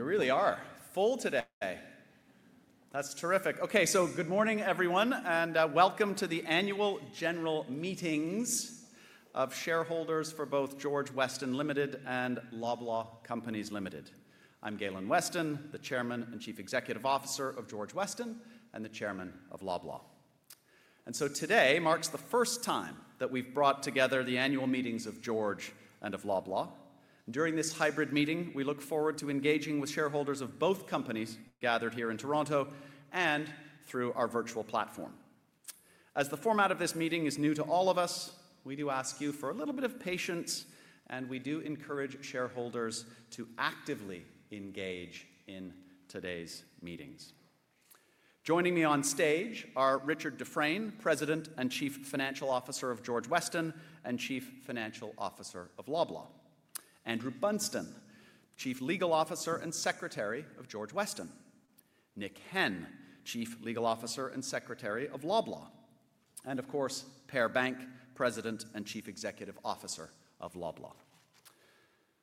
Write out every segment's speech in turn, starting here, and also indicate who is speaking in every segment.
Speaker 1: We really are full today. That's terrific. Okay, good morning, everyone, and welcome to the annual general meetings of shareholders for both George Weston Limited and Loblaw Companies Limited. I'm Galen Weston, the Chairman and Chief Executive Officer of George Weston and the Chairman of Loblaw. Today marks the first time that we've brought together the annual meetings of George and of Loblaw. During this hybrid meeting, we look forward to engaging with shareholders of both companies gathered here in Toronto and through our virtual platform. As the format of this meeting is new to all of us, we do ask you for a little bit of patience, and we do encourage shareholders to actively engage in today's meetings. Joining me on stage are Richard Dufresne, President and Chief Financial Officer of George Weston and Chief Financial Officer of Loblaw; Andrew Bunston, Chief Legal Officer and Secretary of George Weston; Nick Henn, Chief Legal Officer and Secretary of Loblaw; and of course, Per Bank, President and Chief Executive Officer of Loblaw.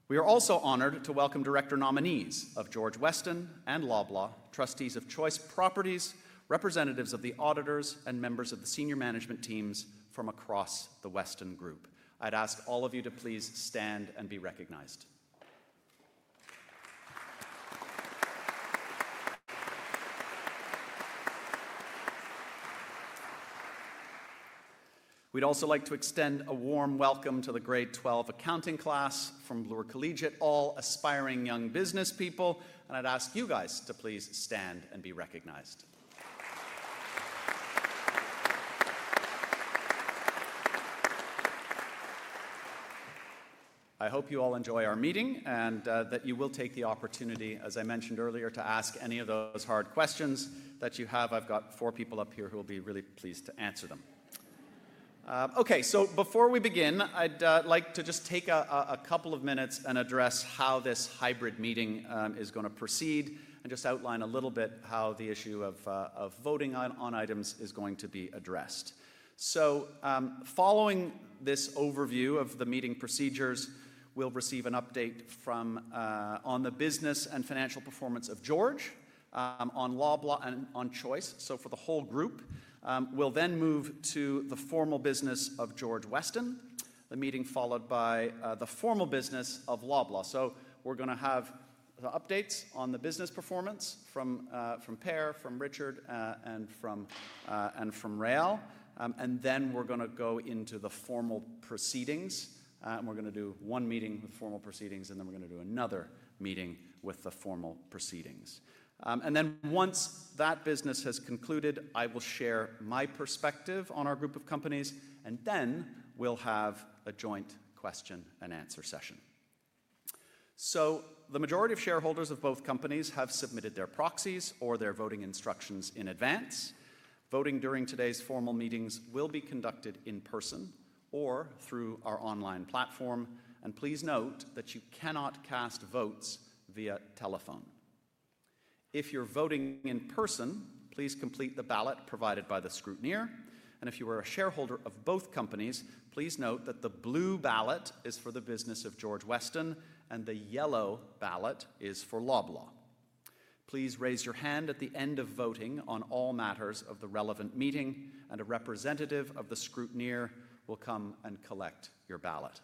Speaker 1: We are also honored to welcome Director Nominees of George Weston and Loblaw, Trustees of Choice Properties, representatives of the auditors, and members of the senior management teams from across the Weston Group. I'd ask all of you to please stand and be recognized. We'd also like to extend a warm welcome to the Grade 12 Accounting Class from Bloor Collegiate, all aspiring young business people, and I'd ask you guys to please stand and be recognized. I hope you all enjoy our meeting and that you will take the opportunity, as I mentioned earlier, to ask any of those hard questions that you have. I've got four people up here who will be really pleased to answer them. Okay, before we begin, I'd like to just take a couple of minutes and address how this hybrid meeting is going to proceed and just outline a little bit how the issue of voting on items is going to be addressed. Following this overview of the meeting procedures, we'll receive an update from on the business and financial performance of George, on Loblaw, and on Choice, for the whole group. We'll then move to the formal business of George Weston, the meeting followed by the formal business of Loblaw. We're going to have the updates on the business performance from Per, from Richard, and from Rael, and then we're going to go into the formal proceedings. We're going to do one meeting with formal proceedings, and then we're going to do another meeting with the formal proceedings. Once that business has concluded, I will share my perspective on our group of companies, and then we'll have a joint question and answer session. The majority of shareholders of both companies have submitted their proxies or their voting instructions in advance. Voting during today's formal meetings will be conducted in person or through our online platform, and please note that you cannot cast votes via telephone. If you're voting in person, please complete the ballot provided by the scrutineer, and if you are a shareholder of both companies, please note that the blue ballot is for the business of George Weston and the yellow ballot is for Loblaw. Please raise your hand at the end of voting on all matters of the relevant meeting, and a representative of the scrutineer will come and collect your ballot.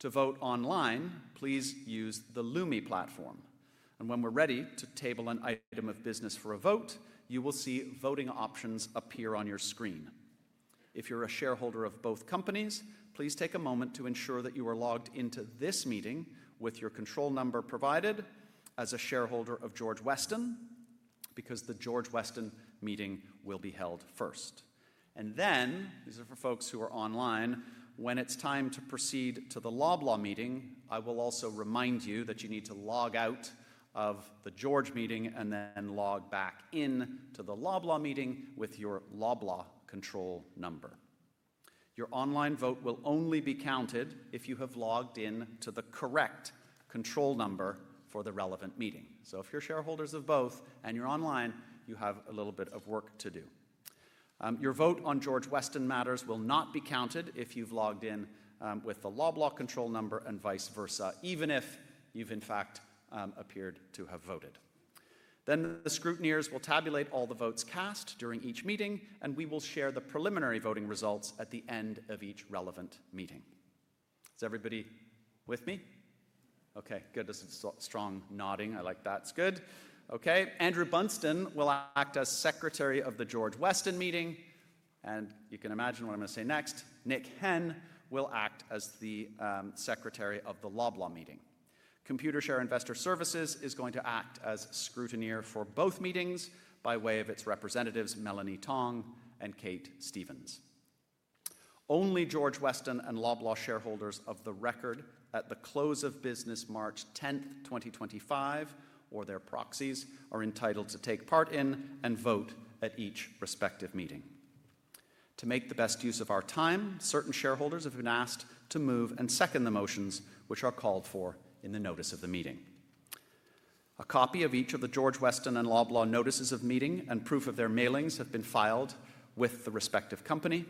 Speaker 1: To vote online, please use the Lumi platform, and when we're ready to table an item of business for a vote, you will see voting options appear on your screen. If you're a shareholder of both companies, please take a moment to ensure that you are logged into this meeting with your control number provided as a shareholder of George Weston, because the George Weston meeting will be held first. For folks who are online, when it is time to proceed to the Loblaw meeting, I will also remind you that you need to log out of the George meeting and then log back in to the Loblaw meeting with your Loblaw control number. Your online vote will only be counted if you have logged in to the correct control number for the relevant meeting. If you are shareholders of both and you are online, you have a little bit of work to do. Your vote on George Weston matters will not be counted if you have logged in with the Loblaw control number and vice versa, even if you have in fact appeared to have voted. The scrutineers will tabulate all the votes cast during each meeting, and we will share the preliminary voting results at the end of each relevant meeting. Is everybody with me? Okay, good, there's a strong nodding, I like that, that's good. Okay, Andrew Bunston will act as secretary of the George Weston meeting, and you can imagine what I'm going to say next. Nick Henn will act as the secretary of the Loblaw meeting. Computershare Investor Services is going to act as scrutineer for both meetings by way of its representatives, Melanie Tang and Kate Stevens. Only George Weston and Loblaw shareholders of record at the close of business March 10, 2025, or their proxies are entitled to take part in and vote at each respective meeting. To make the best use of our time, certain shareholders have been asked to move and second the motions which are called for in the notice of the meeting. A copy of each of the George Weston and Loblaw notices of meeting and proof of their mailings have been filed with the respective company.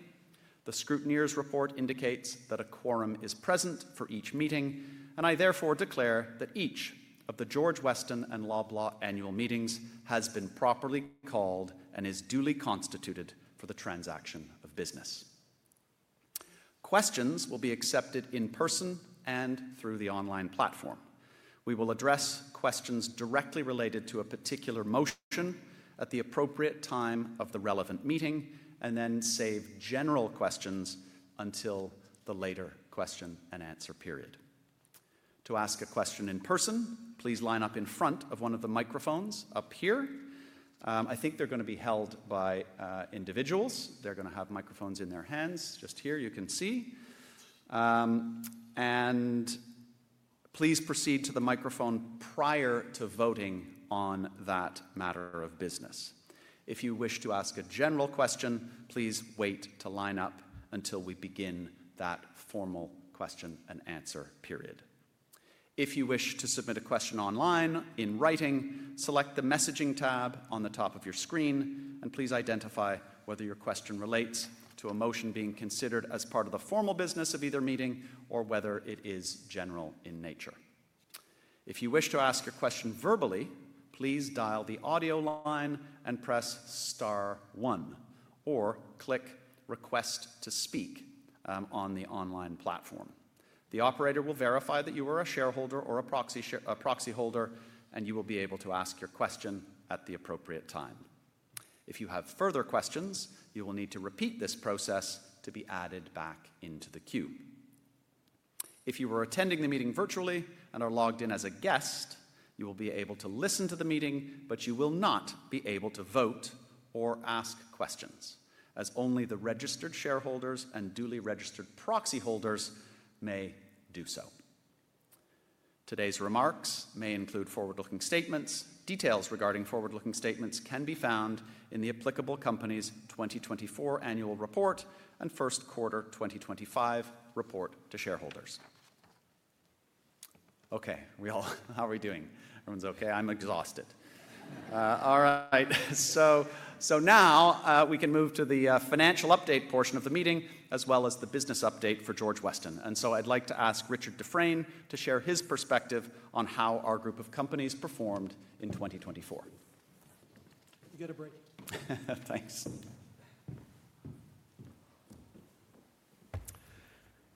Speaker 1: The scrutineer's report indicates that a quorum is present for each meeting, and I therefore declare that each of the George Weston and Loblaw annual meetings has been properly called and is duly constituted for the transaction of business. Questions will be accepted in person and through the online platform. We will address questions directly related to a particular motion at the appropriate time of the relevant meeting and then save general questions until the later question and answer period. To ask a question in person, please line up in front of one of the microphones up here. I think they're going to be held by individuals. They're going to have microphones in their hands just here, you can see. Please proceed to the microphone prior to voting on that matter of business. If you wish to ask a general question, please wait to line up until we begin that formal question and answer period. If you wish to submit a question online in writing, select the messaging tab on the top of your screen and please identify whether your question relates to a motion being considered as part of the formal business of either meeting or whether it is general in nature. If you wish to ask a question verbally, please dial the audio line and press star one or click request to speak on the online platform. The operator will verify that you are a shareholder or a proxy holder, and you will be able to ask your question at the appropriate time. If you have further questions, you will need to repeat this process to be added back into the queue. If you were attending the meeting virtually and are logged in as a guest, you will be able to listen to the meeting, but you will not be able to vote or ask questions, as only the registered shareholders and duly registered proxy holders may do so. Today's remarks may include forward-looking statements. Details regarding forward-looking statements can be found in the applicable company's 2024 annual report and first quarter 2025 report to shareholders. Okay, we all, how are we doing? Everyone's okay? I'm exhausted. All right, now we can move to the financial update portion of the meeting as well as the business update for George Weston. I would like to ask Richard Dufresne to share his perspective on how our group of companies performed in 2024.
Speaker 2: You get a break.
Speaker 1: Thanks.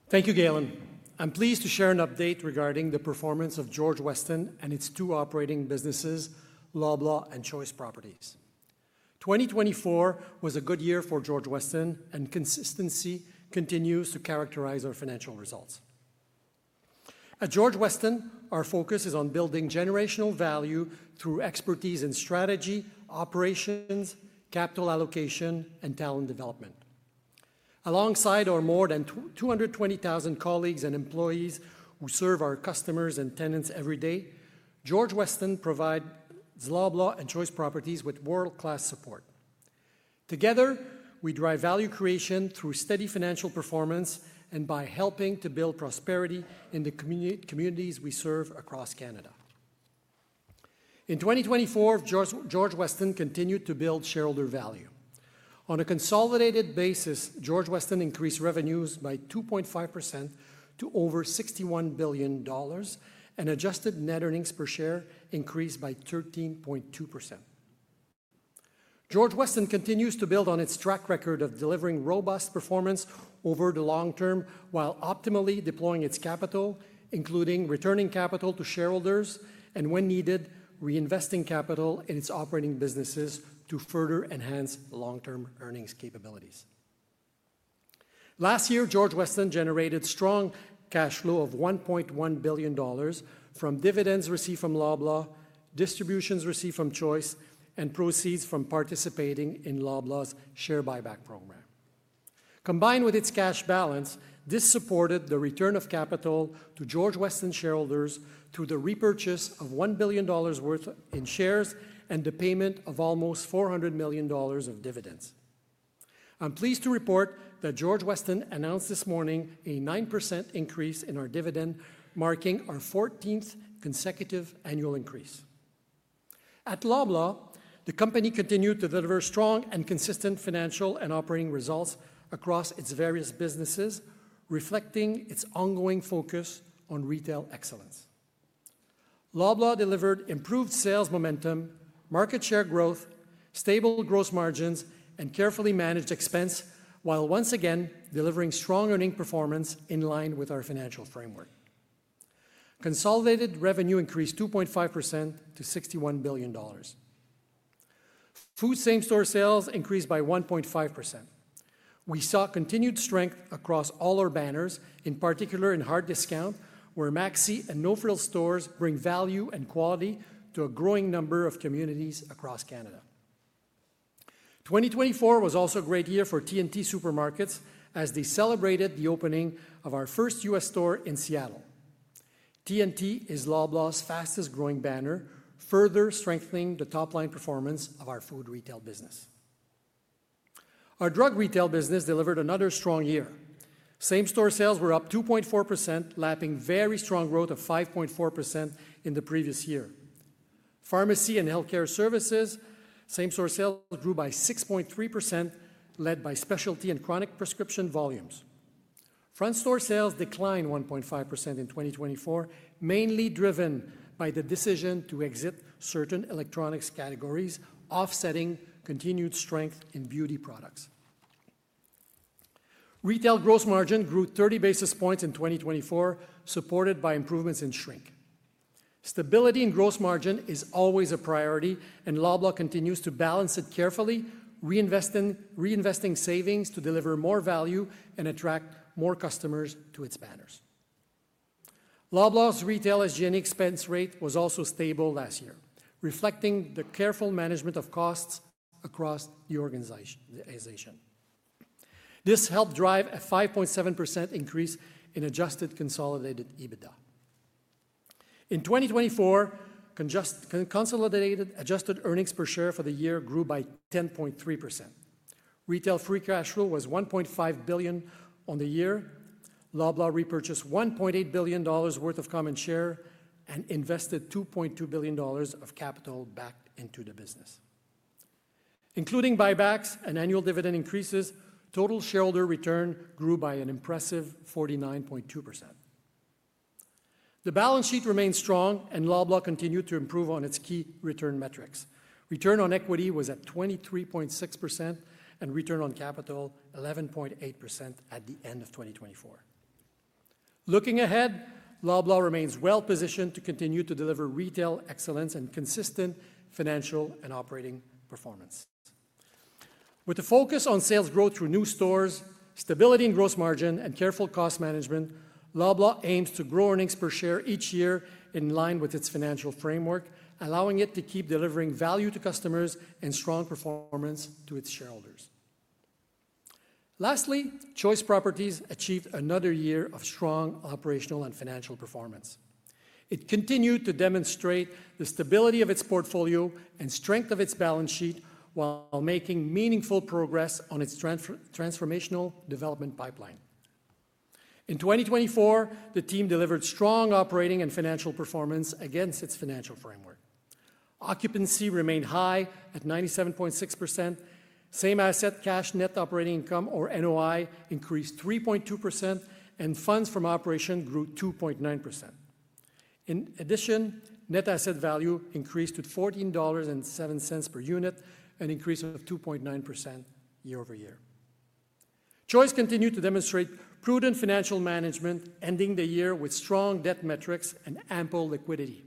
Speaker 2: Thank you, Galen. I'm pleased to share an update regarding the performance of George Weston and its two operating businesses, Loblaw and Choice Properties. 2024 was a good year for George Weston, and consistency continues to characterize our financial results. At George Weston, our focus is on building generational value through expertise in strategy, operations, capital allocation, and talent development. Alongside our more than 220,000 colleagues and employees who serve our customers and tenants every day, George Weston provides Loblaw and Choice Properties with world-class support. Together, we drive value creation through steady financial performance and by helping to build prosperity in the communities we serve across Canada. In 2024, George Weston continued to build shareholder value. On a consolidated basis, George Weston increased revenues by 2.5% to over 61 billion dollars, and adjusted net earnings per share increased by 13.2%. George Weston continues to build on its track record of delivering robust performance over the long term while optimally deploying its capital, including returning capital to shareholders and, when needed, reinvesting capital in its operating businesses to further enhance long-term earnings capabilities. Last year, George Weston generated strong cash flow of 1.1 billion dollars from dividends received from Loblaw, distributions received from Choice, and proceeds from participating in Loblaw's share buyback program. Combined with its cash balance, this supported the return of capital to George Weston shareholders through the repurchase of 1 billion dollars worth in shares and the payment of almost 400 million dollars of dividends. I'm pleased to report that George Weston announced this morning a 9% increase in our dividend, marking our 14th consecutive annual increase. At Loblaw, the company continued to deliver strong and consistent financial and operating results across its various businesses, reflecting its ongoing focus on retail excellence. Loblaw delivered improved sales momentum, market share growth, stable gross margins, and carefully managed expense while once again delivering strong earning performance in line with our financial framework. Consolidated revenue increased 2.5% to 61 billion dollars. Food same-store sales increased by 1.5%. We saw continued strength across all our banners, in particular in hard discount, where Maxi and No Frills stores bring value and quality to a growing number of communities across Canada. 2024 was also a great year for T&T Supermarkets as they celebrated the opening of our first U.S. store in Seattle. T&T is Loblaw's fastest-growing banner, further strengthening the top-line performance of our food retail business. Our drug retail business delivered another strong year. Same-store sales were up 2.4%, lapping very strong growth of 5.4% in the previous year. Pharmacy and healthcare services, same-store sales grew by 6.3%, led by specialty and chronic prescription volumes. Front-store sales declined 1.5% in 2024, mainly driven by the decision to exit certain electronics categories, offsetting continued strength in beauty products. Retail gross margin grew 30 basis points in 2024, supported by improvements in shrink. Stability in gross margin is always a priority, and Loblaw continues to balance it carefully, reinvesting savings to deliver more value and attract more customers to its banners. Loblaw's retail operating expense rate was also stable last year, reflecting the careful management of costs across the organization. This helped drive a 5.7% increase in adjusted consolidated EBITDA. In 2024, consolidated adjusted earnings per share for the year grew by 10.3%. Retail free cash flow was 1.5 billion on the year. Loblaw repurchased 1.8 billion dollars worth of common share and invested 2.2 billion dollars of capital back into the business. Including buybacks and annual dividend increases, total shareholder return grew by an impressive 49.2%. The balance sheet remained strong, and Loblaw continued to improve on its key return metrics. Return on equity was at 23.6%, and return on capital 11.8% at the end of 2024. Looking ahead, Loblaw remains well-positioned to continue to deliver retail excellence and consistent financial and operating performance. With a focus on sales growth through new stores, stability in gross margin, and careful cost management, Loblaw aims to grow earnings per share each year in line with its financial framework, allowing it to keep delivering value to customers and strong performance to its shareholders. Lastly, Choice Properties achieved another year of strong operational and financial performance. It continued to demonstrate the stability of its portfolio and strength of its balance sheet while making meaningful progress on its transformational development pipeline. In 2024, the team delivered strong operating and financial performance against its financial framework. Occupancy remained high at 97.6%. Same-asset cash net operating income, or NOI, increased 3.2%, and funds from operations grew 2.9%. In addition, net asset value increased to 14.07 dollars per unit, an increase of 2.9% year over year. Choice continued to demonstrate prudent financial management, ending the year with strong debt metrics and ample liquidity.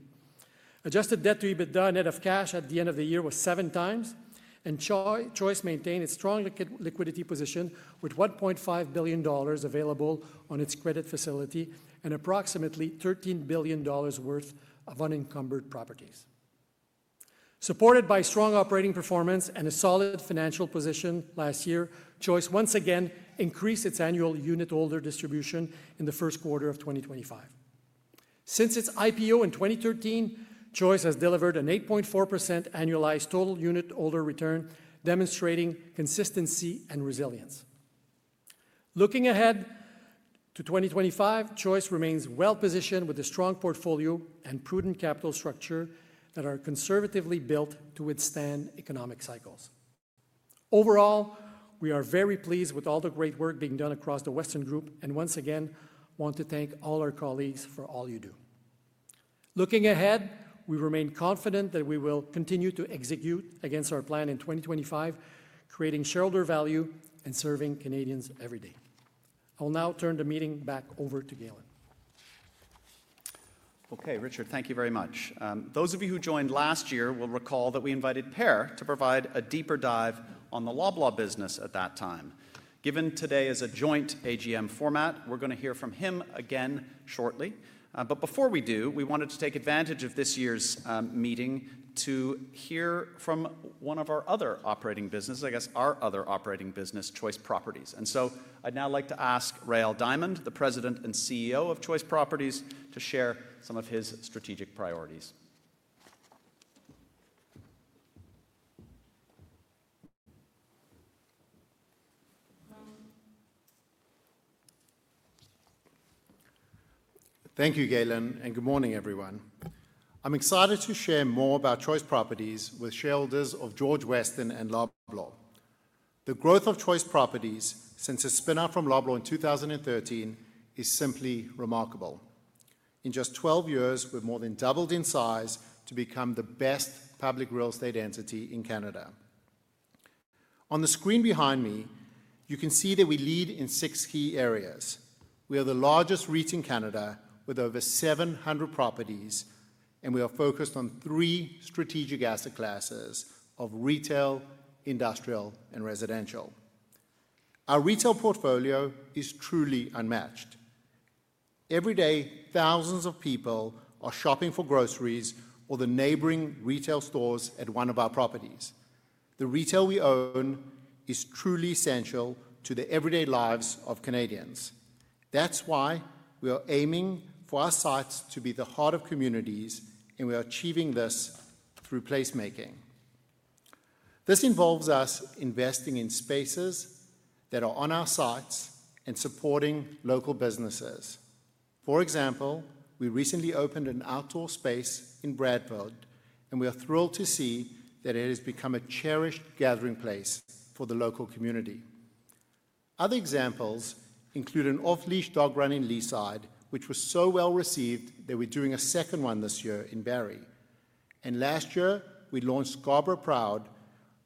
Speaker 2: Adjusted debt to EBITDA net of cash at the end of the year was seven times, and Choice maintained its strong liquidity position with 1.5 billion dollars available on its credit facility and approximately 13 billion dollars worth of unencumbered properties. Supported by strong operating performance and a solid financial position last year, Choice once again increased its annual unit holder distribution in the first quarter of 2025. Since its IPO in 2013, Choice has delivered an 8.4% annualized total unit holder return, demonstrating consistency and resilience. Looking ahead to 2025, Choice remains well-positioned with a strong portfolio and prudent capital structure that are conservatively built to withstand economic cycles. Overall, we are very pleased with all the great work being done across the Weston Group and once again want to thank all our colleagues for all you do. Looking ahead, we remain confident that we will continue to execute against our plan in 2025, creating shareholder value and serving Canadians every day. I'll now turn the meeting back over to Galen.
Speaker 1: Okay, Richard, thank you very much. Those of you who joined last year will recall that we invited Per to provide a deeper dive on the Loblaw business at that time. Given today is a joint AGM format, we're going to hear from him again shortly. Before we do, we wanted to take advantage of this year's meeting to hear from one of our other operating businesses, I guess our other operating business, Choice Properties. I would now like to ask Rael Diamond, the President and CEO of Choice Properties, to share some of his strategic priorities.
Speaker 3: Thank you, Galen, and good morning, everyone. I'm excited to share more about Choice Properties with shareholders of George Weston and Loblaw. The growth of Choice Properties since a spin-off from Loblaw in 2013 is simply remarkable. In just 12 years, we've more than doubled in size to become the best public real estate entity in Canada. On the screen behind me, you can see that we lead in six key areas. We are the largest REIT in Canada with over 700 properties, and we are focused on three strategic asset classes of retail, industrial, and residential. Our retail portfolio is truly unmatched. Every day, thousands of people are shopping for groceries or the neighboring retail stores at one of our properties. The retail we own is truly essential to the everyday lives of Canadians. That's why we are aiming for our sites to be the heart of communities, and we are achieving this through placemaking. This involves us investing in spaces that are on our sites and supporting local businesses. For example, we recently opened an outdoor space in Bradford, and we are thrilled to see that it has become a cherished gathering place for the local community. Other examples include an off-leash dog run in Leaside, which was so well received that we're doing a second one this year in Barrie. Last year, we launched Scarborough Proud,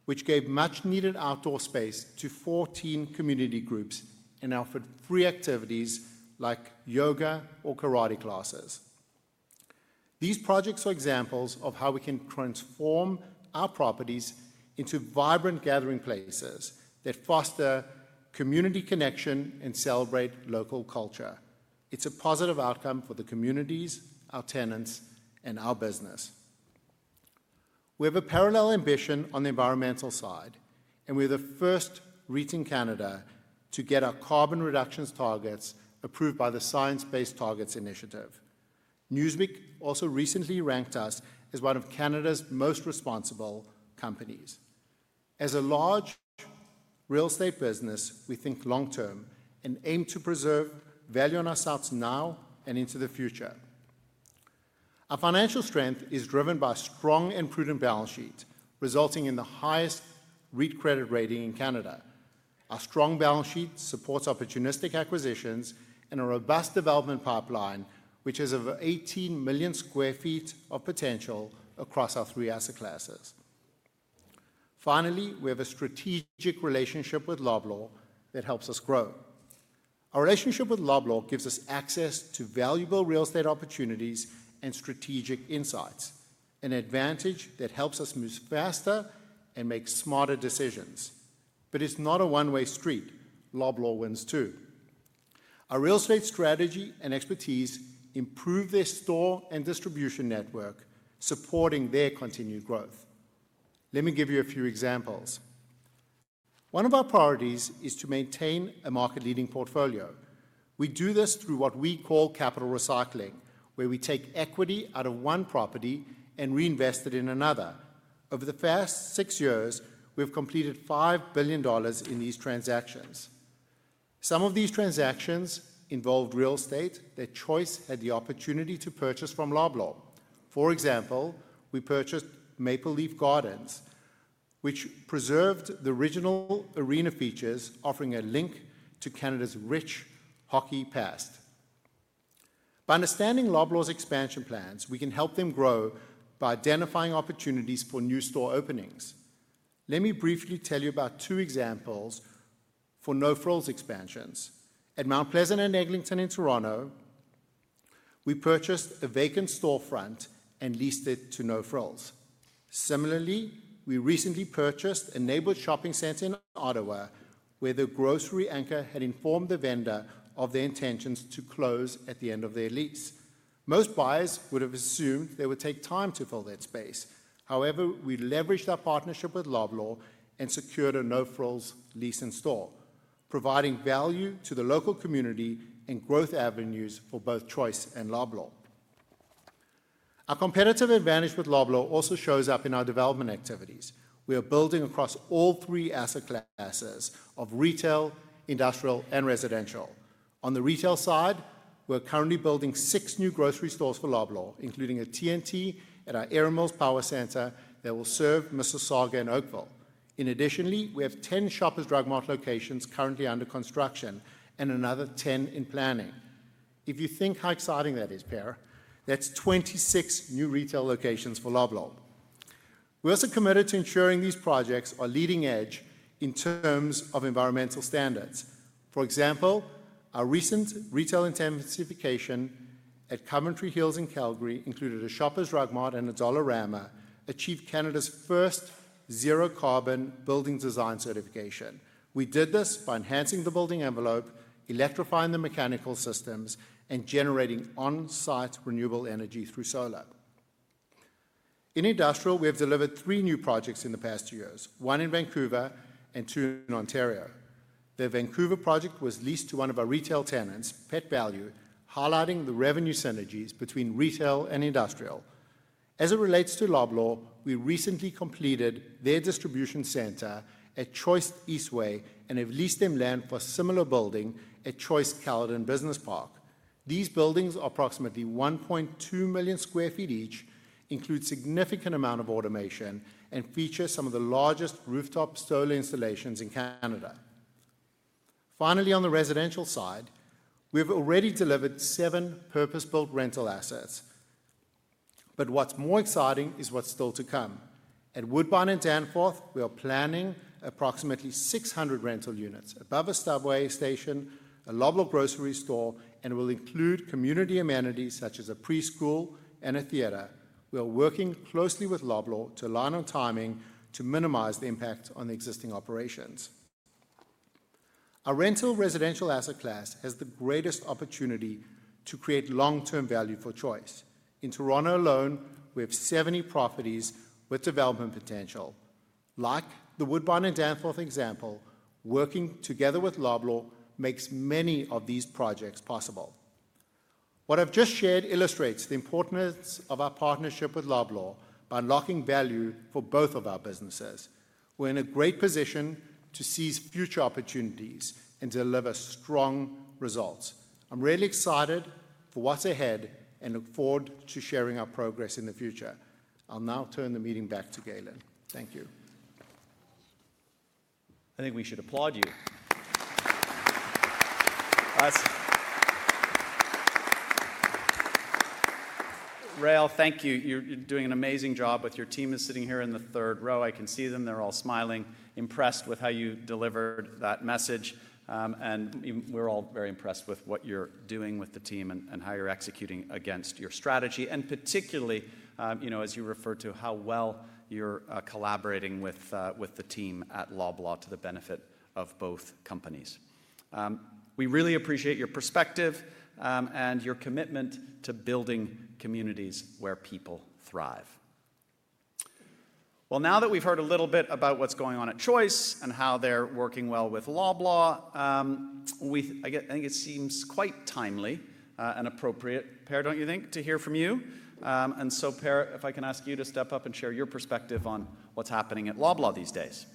Speaker 3: which gave much-needed outdoor space to 14 community groups and offered free activities like yoga or karate classes. These projects are examples of how we can transform our properties into vibrant gathering places that foster community connection and celebrate local culture. It's a positive outcome for the communities, our tenants, and our business. We have a parallel ambition on the environmental side, and we're the first REIT in Canada to get our carbon reduction targets approved by the Science-Based Targets Initiative. Newsweek also recently ranked us as one of Canada's most responsible companies. As a large real estate business, we think long-term and aim to preserve value on our sites now and into the future. Our financial strength is driven by a strong and prudent balance sheet, resulting in the highest REIT credit rating in Canada. Our strong balance sheet supports opportunistic acquisitions and a robust development pipeline, which has over 18 million sq ft of potential across our three asset classes. Finally, we have a strategic relationship with Loblaw that helps us grow. Our relationship with Loblaw gives us access to valuable real estate opportunities and strategic insights, an advantage that helps us move faster and make smarter decisions. It is not a one-way street. Loblaw wins too. Our real estate strategy and expertise improve their store and distribution network, supporting their continued growth. Let me give you a few examples. One of our priorities is to maintain a market-leading portfolio. We do this through what we call capital recycling, where we take equity out of one property and reinvest it in another. Over the past six years, we have completed 5 billion dollars in these transactions. Some of these transactions involved real estate that Choice had the opportunity to purchase from Loblaw. For example, we purchased Maple Leaf Gardens, which preserved the original arena features, offering a link to Canada's rich hockey past. By understanding Loblaw's expansion plans, we can help them grow by identifying opportunities for new store openings. Let me briefly tell you about two examples for No Frills expansions. At Mount Pleasant and Eglinton in Toronto, we purchased a vacant storefront and leased it to No Frills. Similarly, we recently purchased a neighborhood shopping center in Ottawa, where the grocery anchor had informed the vendor of their intentions to close at the end of their lease. Most buyers would have assumed they would take time to fill that space. However, we leveraged our partnership with Loblaw and secured a No Frills lease and store, providing value to the local community and growth avenues for both Choice and Loblaw. Our competitive advantage with Loblaw also shows up in our development activities. We are building across all three asset classes of retail, industrial, and residential. On the retail side, we're currently building six new grocery stores for Loblaw, including a T&T at our Erin Mills Power Centre that will serve Mississauga in Oakville. In addition, we have 10 Shoppers Drug Mart locations currently under construction and another 10 in planning. If you think how exciting that is, Per, that's 26 new retail locations for Loblaw. We're also committed to ensuring these projects are leading edge in terms of environmental standards. For example, our recent retail intensification at Coventry Hills in Calgary included a Shoppers Drug Mart and a Dollarama achieved Canada's first zero-carbon building design certification. We did this by enhancing the building envelope, electrifying the mechanical systems, and generating on-site renewable energy through solar. In industrial, we have delivered three new projects in the past years, one in Vancouver and two in Ontario. The Vancouver project was leased to one of our retail tenants, Pet Valu, highlighting the revenue synergies between retail and industrial. As it relates to Loblaw, we recently completed their distribution center at Choice Eastway and have leased them land for a similar building at Choice Caledon Business Park. These buildings, approximately 1.2 million sq ft each, include a significant amount of automation and feature some of the largest rooftop solar installations in Canada. Finally, on the residential side, we have already delivered seven purpose-built rental assets. What is more exciting is what is still to come. At Woodbine and Danforth, we are planning approximately 600 rental units above a subway station, a Loblaw grocery store, and will include community amenities such as a preschool and a theater. We are working closely with Loblaw to align on timing to minimize the impact on the existing operations. Our rental residential asset class has the greatest opportunity to create long-term value for Choice. In Toronto alone, we have 70 properties with development potential. Like the Woodbine and Danforth example, working together with Loblaw makes many of these projects possible. What I've just shared illustrates the importance of our partnership with Loblaw by unlocking value for both of our businesses. We're in a great position to seize future opportunities and deliver strong results. I'm really excited for what's ahead and look forward to sharing our progress in the future. I'll now turn the meeting back to Galen. Thank you.
Speaker 1: I think we should applaud you. Rael, thank you. You're doing an amazing job, but your team is sitting here in the third row. I can see them. They're all smiling, impressed with how you delivered that message. We are all very impressed with what you're doing with the team and how you're executing against your strategy. Particularly, you know, as you refer to how well you're collaborating with the team at Loblaw to the benefit of both companies. We really appreciate your perspective and your commitment to building communities where people thrive. Now that we've heard a little bit about what's going on at Choice and how they're working well with Loblaw, I think it seems quite timely and appropriate, Per, don't you think, to hear from you? Per, if I can ask you to step up and share your perspective on what's happening at Loblaw these days.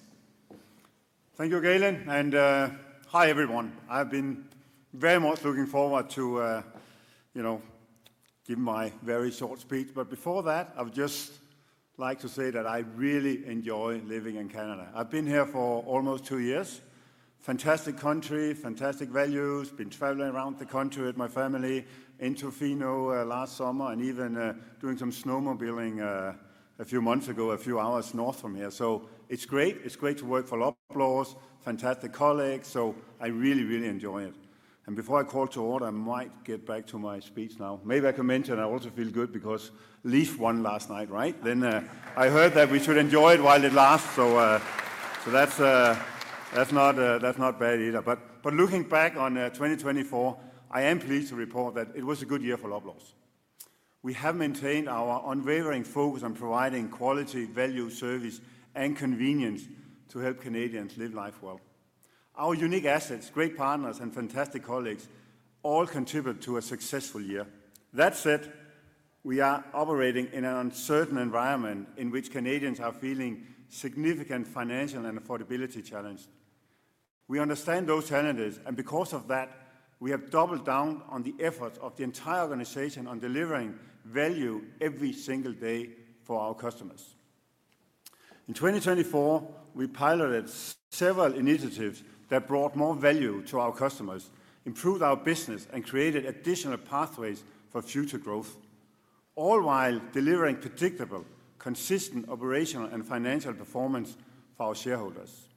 Speaker 4: Thank you, Galen. Hi, everyone. I've been very much looking forward to, you know, give my very short speech. Before that, I would just like to say that I really enjoy living in Canada. I've been here for almost two years. Fantastic country, fantastic values. Been traveling around the country with my family, into Tofino last summer, and even doing some snowmobiling a few months ago, a few hours north from here. It is great. It is great to work for Loblaw. Fantastic colleagues. I really, really enjoy it. Before I call to order, I might get back to my speech now. Maybe I can mention I also feel good because Leafs won last night, right? I heard that we should enjoy it while it lasts. That is not bad either. Looking back on 2024, I am pleased to report that it was a good year for Loblaw. We have maintained our unwavering focus on providing quality, value, service, and convenience to help Canadians live life well. Our unique assets, great partners, and fantastic colleagues all contribute to a successful year. That said, we are operating in an uncertain environment in which Canadians are feeling significant financial and affordability challenges. We understand those challenges, and because of that, we have doubled down on the efforts of the entire organization on delivering value every single day for our customers. In 2024, we piloted several initiatives that brought more value to our customers, improved our business, and created additional pathways for future growth, all while delivering predictable, consistent operational and financial performance for our shareholders.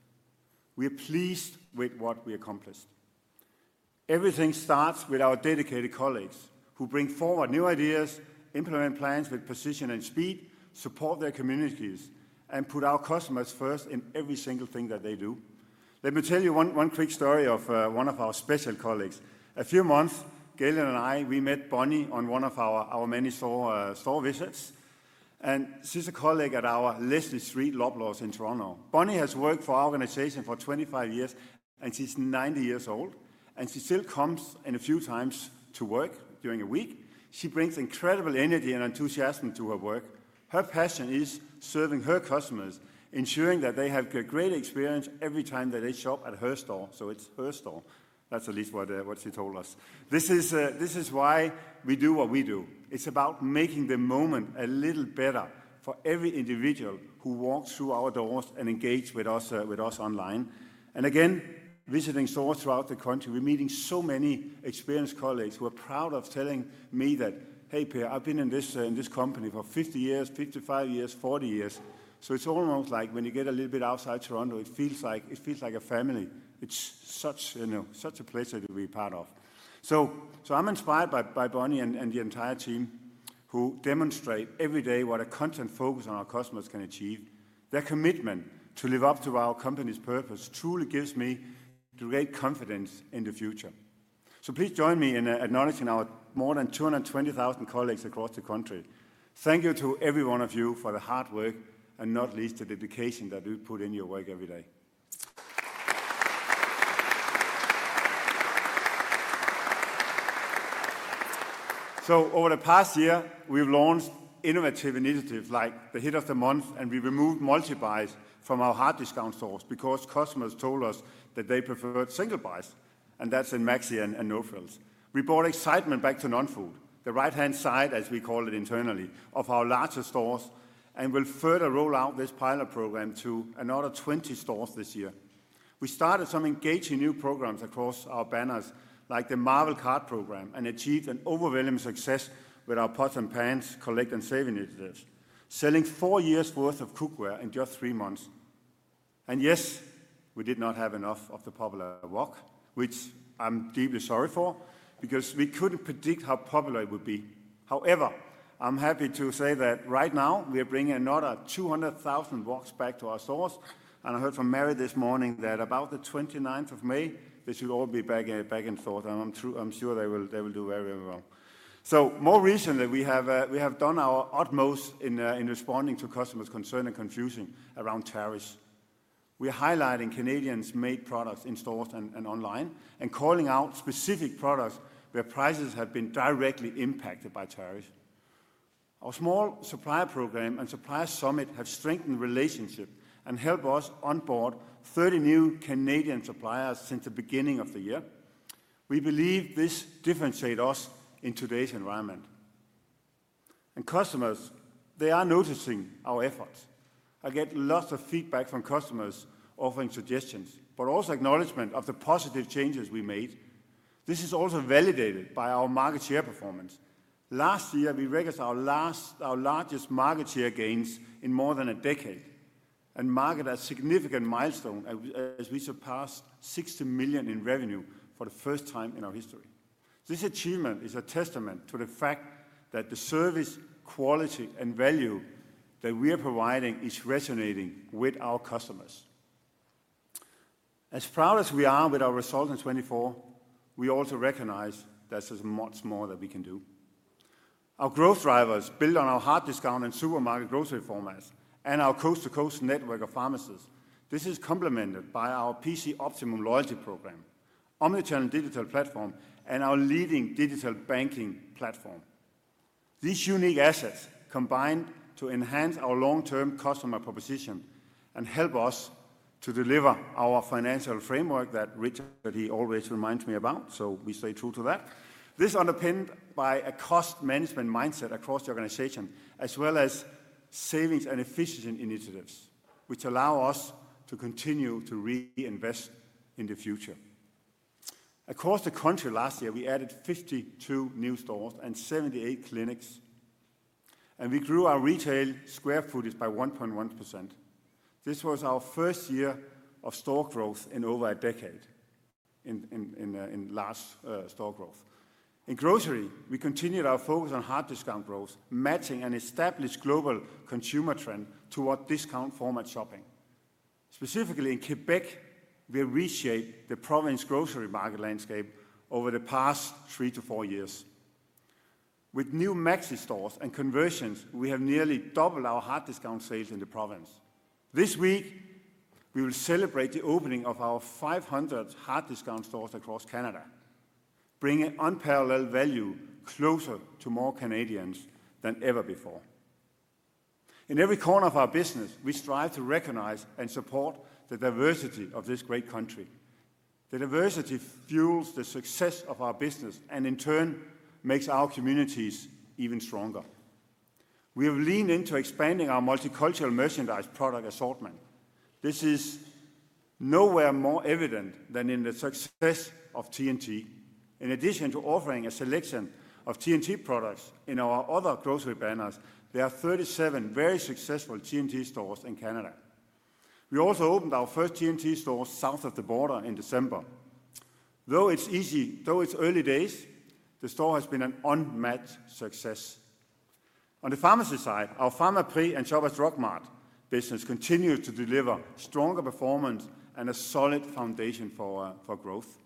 Speaker 4: We are pleased with what we accomplished. Everything starts with our dedicated colleagues who bring forward new ideas, implement plans with precision and speed, support their communities, and put our customers first in every single thing that they do. Let me tell you one quick story of one of our special colleagues. A few months ago, Galen and I, we met Bonnie on one of our many store visits, and she's a colleague at our Leslie Street Loblaws in Toronto. Bonnie has worked for our organization for 25 years, and she's 90 years old, and she still comes in a few times to work during a week. She brings incredible energy and enthusiasm to her work. Her passion is serving her customers, ensuring that they have a great experience every time that they shop at her store. It is her store. That's at least what she told us. This is why we do what we do. It's about making the moment a little better for every individual who walks through our doors and engages with us online. Visiting stores throughout the country, we're meeting so many experienced colleagues who are proud of telling me that, "Hey, Per, I've been in this company for 50 years, 55 years, 40 years." It's almost like when you get a little bit outside Toronto, it feels like a family. It's such a pleasure to be part of. I'm inspired by Bonnie and the entire team who demonstrate every day what a constant focus on our customers can achieve. Their commitment to live up to our company's purpose truly gives me great confidence in the future. Please join me in acknowledging our more than 220,000 colleagues across the country. Thank you to every one of you for the hard work and not least the dedication that you put in your work every day. Over the past year, we've launched innovative initiatives like the Hit of the Month, and we removed multi-buys from our hard discount stores because customers told us that they preferred single buys, and that's in Maxi and No Frills. We brought excitement back to non-food, the right-hand side, as we call it internally, of our larger stores, and will further roll out this pilot program to another 20 stores this year. We started some engaging new programs across our banners, like the Marvel Card Program, and achieved an overwhelming success with our Pots and Pans Collect and Save initiatives, selling four years' worth of cookware in just three months. Yes, we did not have enough of the popular wok, which I'm deeply sorry for because we couldn't predict how popular it would be. However, I'm happy to say that right now we are bringing another 200,000 woks back to our stores. I heard from Mary this morning that about the 29th of May, they should all be back in stores, and I'm sure they will do very well. More recently, we have done our utmost in responding to customers' concerns and confusion around tariffs. We are highlighting Canadian-made products in stores and online and calling out specific products where prices have been directly impacted by tariffs. Our small supplier program and supplier summit have strengthened relationships and helped us onboard 30 new Canadian suppliers since the beginning of the year. We believe this differentiates us in today's environment. Customers are noticing our efforts. I get lots of feedback from customers offering suggestions, but also acknowledgment of the positive changes we made. This is also validated by our market share performance. Last year, we registered our largest market share gains in more than a decade and marked a significant milestone as we surpassed 60 billion in revenue for the first time in our history. This achievement is a testament to the fact that the service, quality, and value that we are providing is resonating with our customers. As proud as we are with our results in 2024, we also recognize that there's much more that we can do. Our growth drivers build on our hard discount and supermarket grocery formats and our coast-to-coast network of pharmacists. This is complemented by our PC Optimum loyalty program, omnichannel digital platform, and our leading digital banking platform. These unique assets combine to enhance our long-term customer proposition and help us to deliver our financial framework that Richard always reminds me about, so we stay true to that. This is underpinned by a cost management mindset across the organization, as well as savings and efficiency initiatives, which allow us to continue to reinvest in the future. Across the country last year, we added 52 new stores and 78 clinics, and we grew our retail square footage by 1.1%. This was our first year of store growth in over a decade in last store growth. In grocery, we continued our focus on hard discount growth, matching an established global consumer trend toward discount format shopping. Specifically in Quebec, we reshaped the province grocery market landscape over the past three to four years. With new Maxi stores and conversions, we have nearly doubled our hard discount sales in the province. This week, we will celebrate the opening of our 500 hard discount stores across Canada, bringing unparalleled value closer to more Canadians than ever before. In every corner of our business, we strive to recognize and support the diversity of this great country. The diversity fuels the success of our business and, in turn, makes our communities even stronger. We have leaned into expanding our multicultural merchandise product assortment. This is nowhere more evident than in the success of T&T. In addition to offering a selection of T&T products in our other grocery banners, there are 37 very successful T&T stores in Canada. We also opened our first T&T stores south of the border in December. Though it's early days, the store has been an unmatched success. On the pharmacy side, our Pharmaprix and Shoppers Drug Mart business continues to deliver stronger performance and a solid foundation for growth.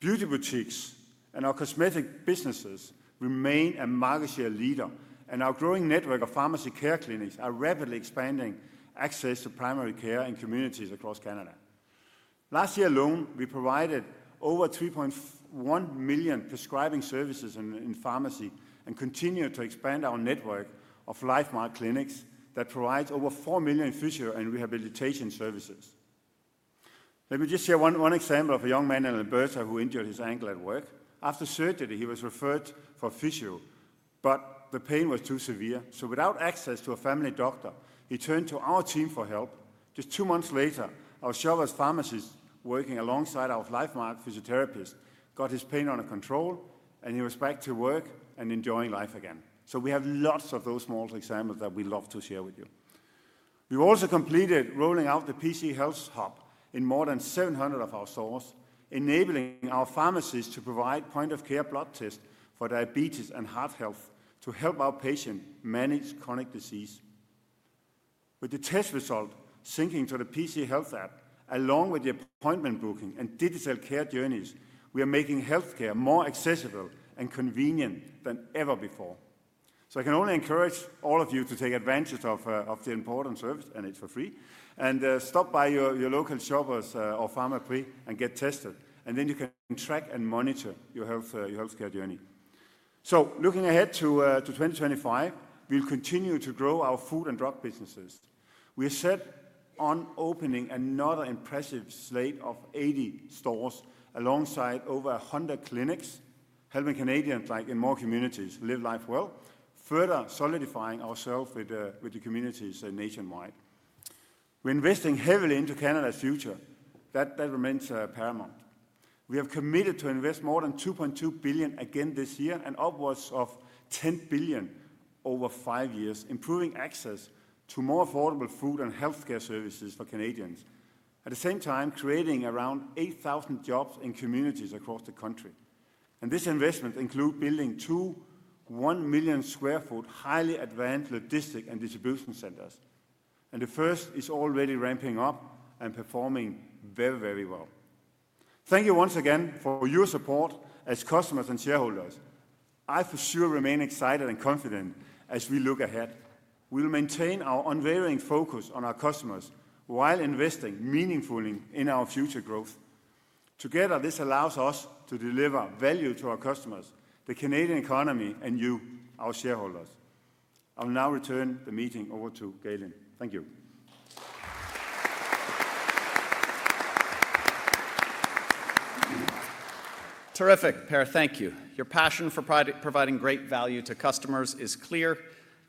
Speaker 4: Beauty boutiques and our cosmetic businesses remain a market share leader, and our growing network of pharmacy care clinics are rapidly expanding access to primary care in communities across Canada. Last year alone, we provided over 3.1 million prescribing services in pharmacy and continue to expand our network of Lifemark clinics that provide over 4 million physio and rehabilitation services. Let me just share one example of a young man in Alberta who injured his ankle at work. After surgery, he was referred for physio, but the pain was too severe. Without access to a family doctor, he turned to our team for help. Just two months later, our Shoppers pharmacist working alongside our Lifemark physiotherapist got his pain under control, and he was back to work and enjoying life again. We have lots of those small examples that we love to share with you. have also completed rolling out the PC Health hub in more than 700 of our stores, enabling our pharmacists to provide point-of-care blood tests for diabetes and heart health to help our patients manage chronic disease. With the test result syncing to the PC Health app, along with the appointment booking and digital care journeys, we are making healthcare more accessible and convenient than ever before. I can only encourage all of you to take advantage of the important service, and it is for free, and stop by your local Shoppers or Pharmaprix and get tested. Then you can track and monitor your healthcare journey. Looking ahead to 2025, we will continue to grow our food and drug businesses. We are set on opening another impressive slate of 80 stores alongside over 100 clinics, helping Canadians like in more communities live life well, further solidifying ourselves with the communities nationwide. We are investing heavily into Canada's future. That remains paramount. We have committed to invest more than 2.2 billion again this year and upwards of 10 billion over five years, improving access to more affordable food and healthcare services for Canadians, at the same time creating around 8,000 jobs in communities across the country. This investment includes building two 1 million sq ft highly advanced logistic and distribution centers. The first is already ramping up and performing very, very well. Thank you once again for your support as customers and shareholders. I for sure remain excited and confident as we look ahead. We will maintain our unwavering focus on our customers while investing meaningfully in our future growth. Together, this allows us to deliver value to our customers, the Canadian economy, and you, our shareholders. I'll now return the meeting over to Galen. Thank you.
Speaker 1: Terrific, Per. Thank you. Your passion for providing great value to customers is clear.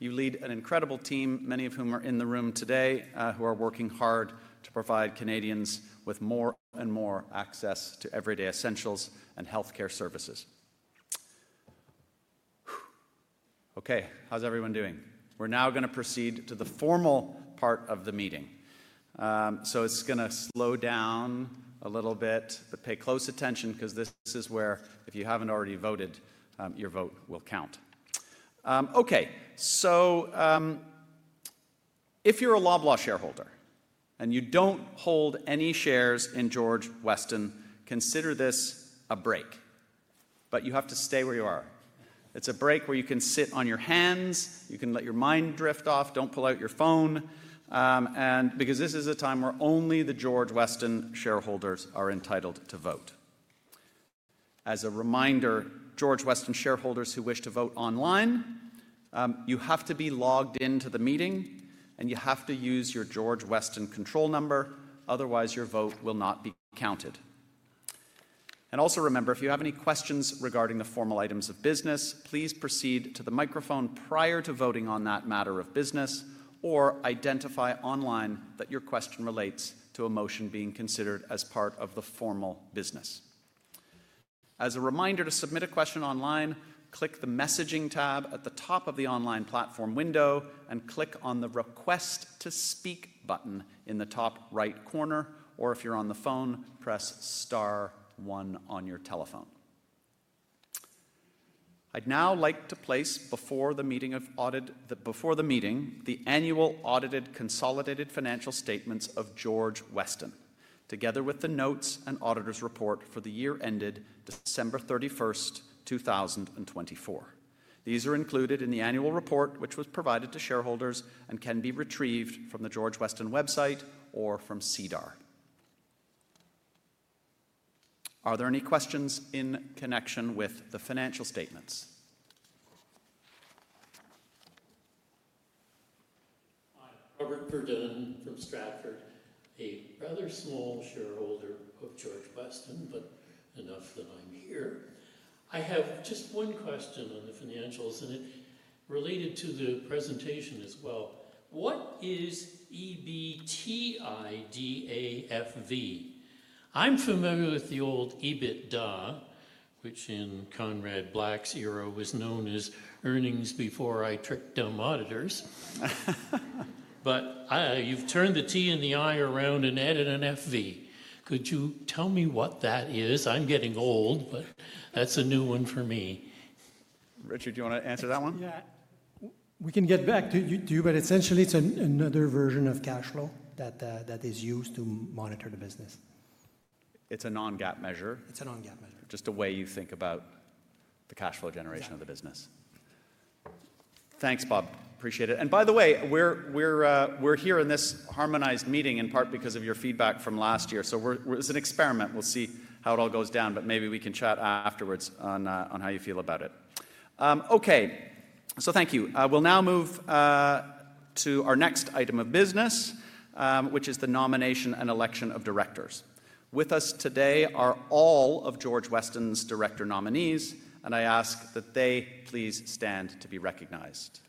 Speaker 1: You lead an incredible team, many of whom are in the room today, who are working hard to provide Canadians with more and more access to everyday essentials and healthcare services. Okay, how's everyone doing? We're now going to proceed to the formal part of the meeting. It's going to slow down a little bit, but pay close attention because this is where, if you haven't already voted, your vote will count. If you're a Loblaw shareholder and you don't hold any shares in George Weston, consider this a break, but you have to stay where you are. It's a break where you can sit on your hands, you can let your mind drift off, don't pull out your phone, because this is a time where only the George Weston shareholders are entitled to vote. As a reminder, George Weston shareholders who wish to vote online, you have to be logged into the meeting and you have to use your George Weston control number, otherwise your vote will not be counted. Also remember, if you have any questions regarding the formal items of business, please proceed to the microphone prior to voting on that matter of business or identify online that your question relates to a motion being considered as part of the formal business. As a reminder, to submit a question online, click the messaging tab at the top of the online platform window and click on the request to speak button in the top right corner, or if you're on the phone, press star one on your telephone. I'd now like to place before the meeting, the annual audited consolidated financial statements of George Weston, together with the notes and auditor's report for the year ended December 31, 2024. These are included in the annual report, which was provided to shareholders and can be retrieved from the George Weston website or from SEDAR. Are there any questions in connection with the financial statements?
Speaker 5: Hi, Robert Verdun from Stratford, a rather small shareholder of George Weston, but enough that I'm here. I have just one question on the financials, and it related to the presentation as well. What is EBTIDAFV? I'm familiar with the old EBITDA, which in Conrad Black's era was known as earnings before I tricked dumb auditors, but you've turned the T and the I around and added an FV. Could you tell me what that is? I'm getting old, but that's a new one for me.
Speaker 1: Richard, do you want to answer that one?
Speaker 2: Yeah, we can get back to you, but essentially it's another version of cash flow that is used to monitor the business.
Speaker 1: It's a non-GAAP measure.
Speaker 2: It's a non-GAAP measure.
Speaker 1: Just a way you think about the cash flow generation of the business. Thanks, Bob. Appreciate it. By the way, we're here in this harmonized meeting in part because of your feedback from last year. It's an experiment. We'll see how it all goes down, but maybe we can chat afterwards on how you feel about it. Okay, so thank you. We'll now move to our next item of business, which is the nomination and election of directors. With us today are all of George Weston's director nominees, and I ask that they please stand to be recognized.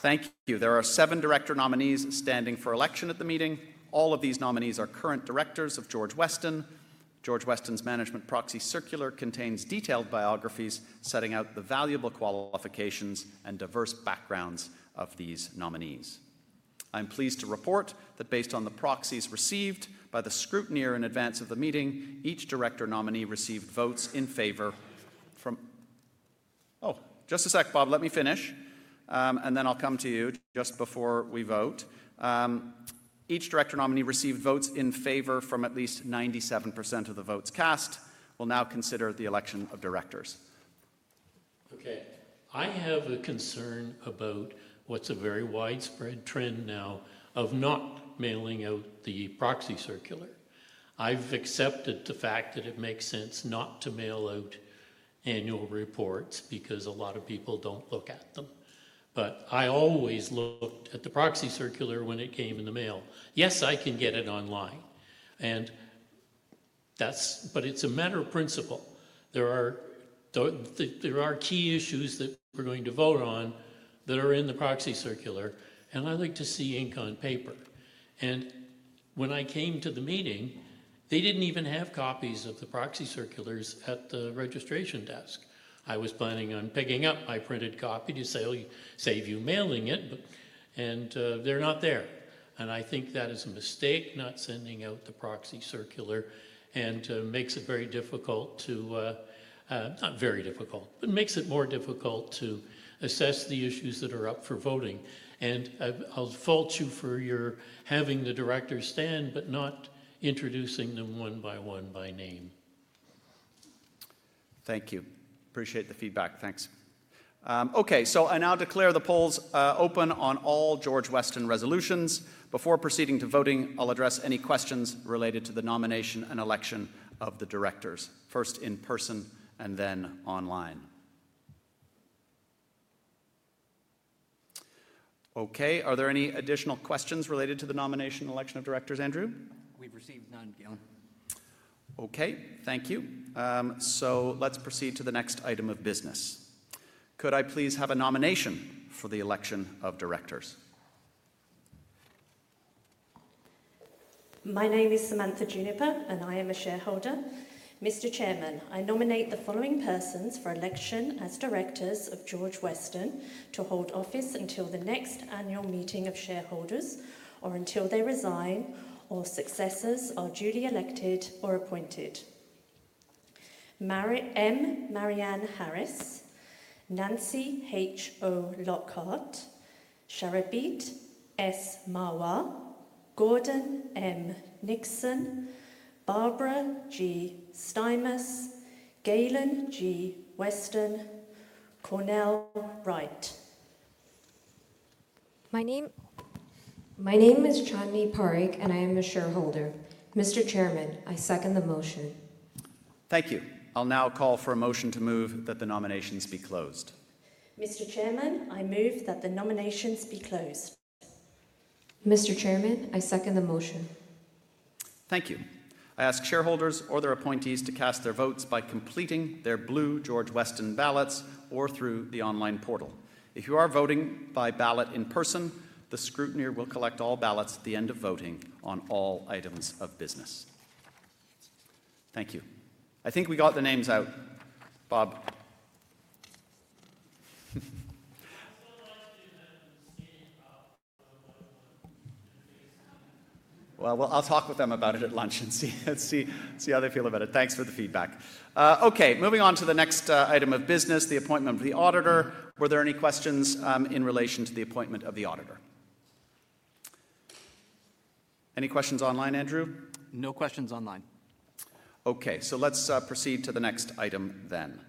Speaker 1: Thank you. There are seven director nominees standing for election at the meeting. All of these nominees are current directors of George Weston. George Weston's management proxy circular contains detailed biographies setting out the valuable qualifications and diverse backgrounds of these nominees. I'm pleased to report that based on the proxies received by the scrutineer in advance of the meeting, each director nominee received votes in favor from, oh, just a sec, Bob, let me finish, and then I'll come to you just before we vote. Each director nominee received votes in favor from at least 97% of the votes cast. We'll now consider the election of directors.
Speaker 5: Okay, I have a concern about what's a very widespread trend now of not mailing out the proxy circular. I've accepted the fact that it makes sense not to mail out annual reports because a lot of people don't look at them. But I always looked at the proxy circular when it came in the mail. Yes, I can get it online. That's, but it's a matter of principle. There are key issues that we're going to vote on that are in the proxy circular, and I like to see ink on paper. When I came to the meeting, they didn't even have copies of the proxy circulars at the registration desk. I was planning on picking up my printed copy to save you mailing it, and they're not there. I think that is a mistake not sending out the proxy circular and makes it very difficult to, not very difficult, but makes it more difficult to assess the issues that are up for voting. I'll fault you for your having the directors stand, but not introducing them one by one by name.
Speaker 1: Thank you. Appreciate the feedback. Thanks. Okay, I now declare the polls open on all George Weston resolutions. Before proceeding to voting, I'll address any questions related to the nomination and election of the directors, first in person and then online. Okay, are there any additional questions related to the nomination and election of directors, Andrew?
Speaker 6: We've received none, Galen.
Speaker 1: Okay, thank you. Let's proceed to the next item of business. Could I please have a nomination for the election of directors?
Speaker 7: My name is Samantha Juniper, and I am a shareholder. Mr. Chairman, I nominate the following persons for election as directors of George Weston to hold office until the next annual meeting of shareholders or until they resign or successors are duly elected or appointed. M. Marianne Harris, Nancy H. O. Lockhart, Sarabjit S. Marwah, Gordon M. Nixon, Barbara G. Stymiest, Galen G. Weston, Cornell Wright.
Speaker 8: My name is Chandni Parekh, and I am a shareholder. Mr. Chairman, I second the motion.
Speaker 1: Thank you. I'll now call for a motion to move that the nominations be closed.
Speaker 7: Mr. Chairman, I move that the nominations be closed.
Speaker 8: Mr. Chairman, I second the motion.
Speaker 1: Thank you. I ask shareholders or their appointees to cast their votes by completing their blue George Weston ballots or through the online portal. If you are voting by ballot in person, the scrutineer will collect all ballots at the end of voting on all items of business. Thank you. I think we got the names out, Bob. I'll talk with them about it at lunch and see how they feel about it. Thanks for the feedback. Okay, moving on to the next item of business, the appointment of the auditor. Were there any questions in relation to the appointment of the auditor? Any questions online, Andrew?
Speaker 6: No questions online.
Speaker 1: Okay, let's proceed to the next item then.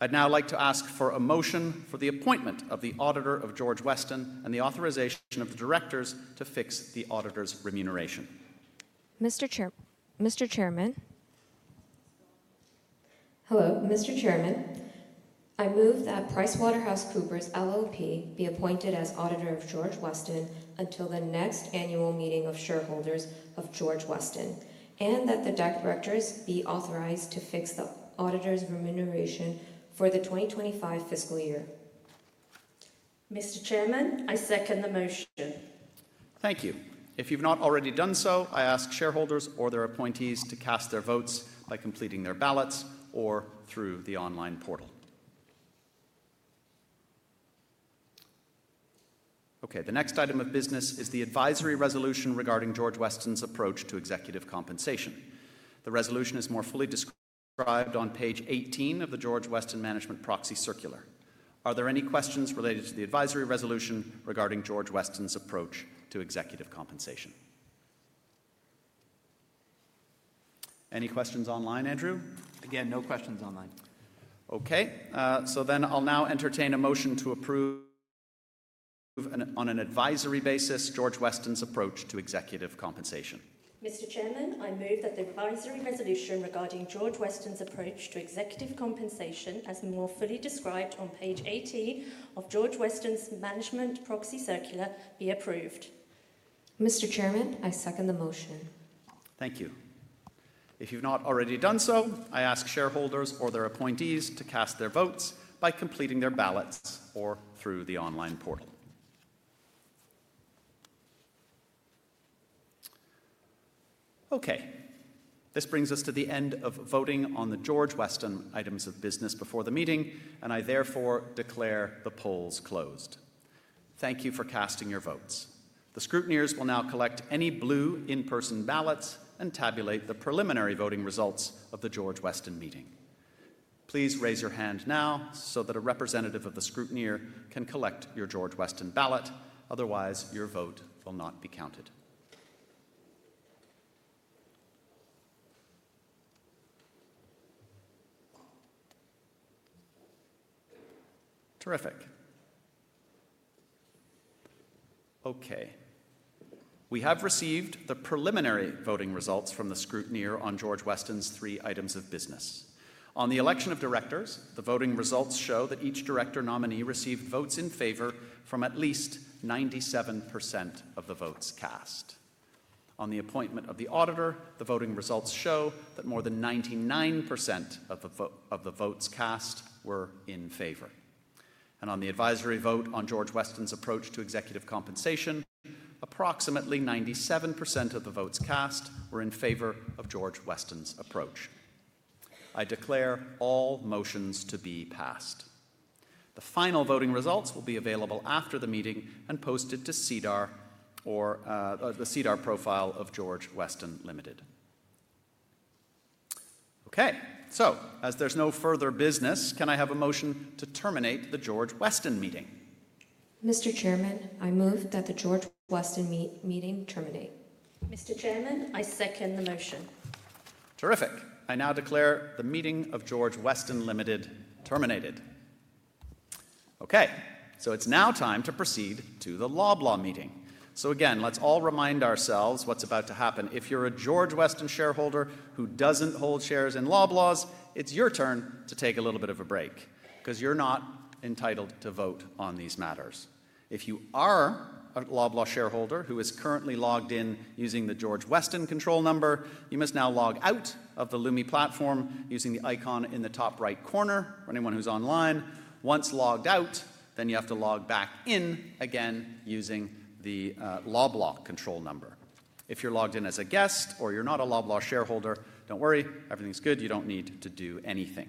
Speaker 1: I'd now like to ask for a motion for the appointment of the auditor of George Weston and the authorization of the directors to fix the auditor's remuneration.
Speaker 7: Mr. Chairman. Hello, Mr. Chairman. I move that PricewaterhouseCoopers LLP be appointed as auditor of George Weston until the next annual meeting of shareholders of George Weston and that the directors be authorized to fix the auditor's remuneration for the 2025 fiscal year. Mr.
Speaker 8: Chairman, I second the motion.
Speaker 1: Thank you. If you've not already done so, I ask shareholders or their appointees to cast their votes by completing their ballots or through the online portal. Okay, the next item of business is the advisory resolution regarding George Weston's approach to executive compensation. The resolution is more fully described on page 18 of the George Weston management proxy circular. Are there any questions related to the advisory resolution regarding George Weston's approach to executive compensation? Any questions online, Andrew?
Speaker 6: Again, no questions online.
Speaker 1: Okay, I will now entertain a motion to approve on an advisory basis George Weston's approach to executive compensation.
Speaker 7: Mr. Chairman, I move that the advisory resolution regarding George Weston's approach to executive compensation as more fully described on page 18 of George Weston's management proxy circular be approved.
Speaker 8: Mr. Chairman, I second the motion.
Speaker 1: Thank you. If you've not already done so, I ask shareholders or their appointees to cast their votes by completing their ballots or through the online portal. Okay, this brings us to the end of voting on the George Weston items of business before the meeting, and I therefore declare the polls closed. Thank you for casting your votes. The scrutineers will now collect any blue in-person ballots and tabulate the preliminary voting results of the George Weston meeting. Please raise your hand now so that a representative of the scrutineer can collect your George Weston ballot. Otherwise, your vote will not be counted. Terrific. Okay, we have received the preliminary voting results from the scrutineer on George Weston's three items of business. On the election of directors, the voting results show that each director nominee received votes in favor from at least 97% of the votes cast. On the appointment of the auditor, the voting results show that more than 99% of the votes cast were in favor. On the advisory vote on George Weston's approach to executive compensation, approximately 97% of the votes cast were in favor of George Weston's approach. I declare all motions to be passed. The final voting results will be available after the meeting and posted to SEDAR or the SEDAR profile of George Weston Limited. Okay, as there is no further business, can I have a motion to terminate the George Weston meeting?
Speaker 8: Mr. Chairman, I move that the George Weston meeting terminate.
Speaker 7: Mr. Chairman, I second the motion.
Speaker 9: Terrific. I now declare the meeting of George Weston Limited terminated. Okay, it is now time to proceed to the Loblaw meeting. Again, let's all remind ourselves what's about to happen. If you're a George Weston shareholder who doesn't hold shares in Loblaw, it's your turn to take a little bit of a break because you're not entitled to vote on these matters. If you are a Loblaw shareholder who is currently logged in using the George Weston control number, you must now log out of the Lumi platform using the icon in the top right corner. For anyone who's online, once logged out, then you have to log back in again using the Loblaw control number. If you're logged in as a guest or you're not a Loblaw shareholder, don't worry, everything's good. You don't need to do anything.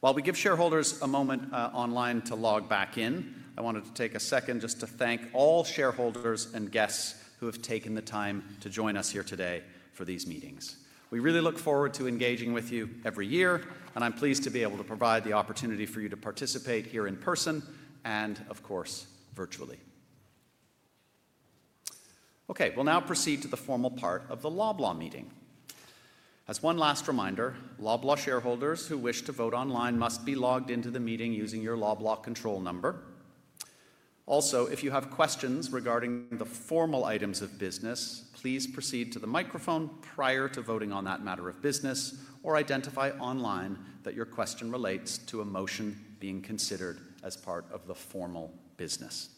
Speaker 9: While we give shareholders a moment online to log back in, I wanted to take a second just to thank all shareholders and guests who have taken the time to join us here today for these meetings. We really look forward to engaging with you every year, and I'm pleased to be able to provide the opportunity for you to participate here in person and, of course, virtually. Okay, we'll now proceed to the formal part of the Loblaw meeting. As one last reminder, Loblaw shareholders who wish to vote online must be logged into the meeting using your Loblaw control number. Also, if you have questions regarding the formal items of business, please proceed to the microphone prior to voting on that matter of business or identify online that your question relates to a motion being considered as part of the formal business.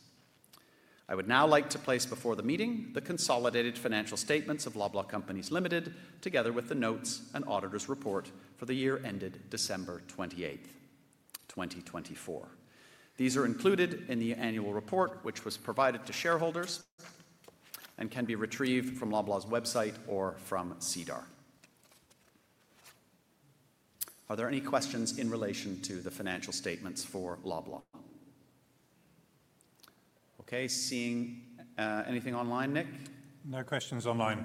Speaker 9: I would now like to place before the meeting the consolidated financial statements of Loblaw Companies Limited together with the notes and auditor's report for the year ended December 28, 2024. These are included in the annual report, which was provided to shareholders and can be retrieved from Loblaw's website or from SEDAR. Are there any questions in relation to the financial statements for Loblaw? Okay, seeing anything online, Nick? No questions online.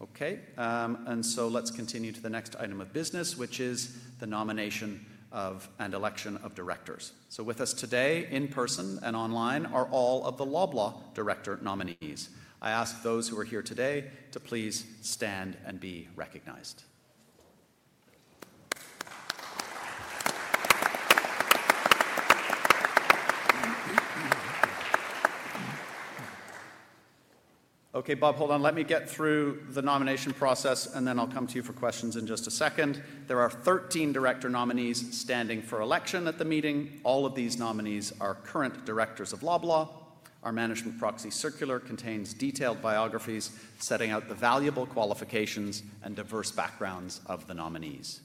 Speaker 9: Okay, let's continue to the next item of business, which is the nomination of and election of directors. With us today in person and online are all of the Loblaw director nominees. I ask those who are here today to please stand and be recognized. Okay, Bob, hold on. Let me get through the nomination process, and then I'll come to you for questions in just a second. There are 13 director nominees standing for election at the meeting. All of these nominees are current directors of Loblaw. Our management proxy circular contains detailed biographies setting out the valuable qualifications and diverse backgrounds of the nominees.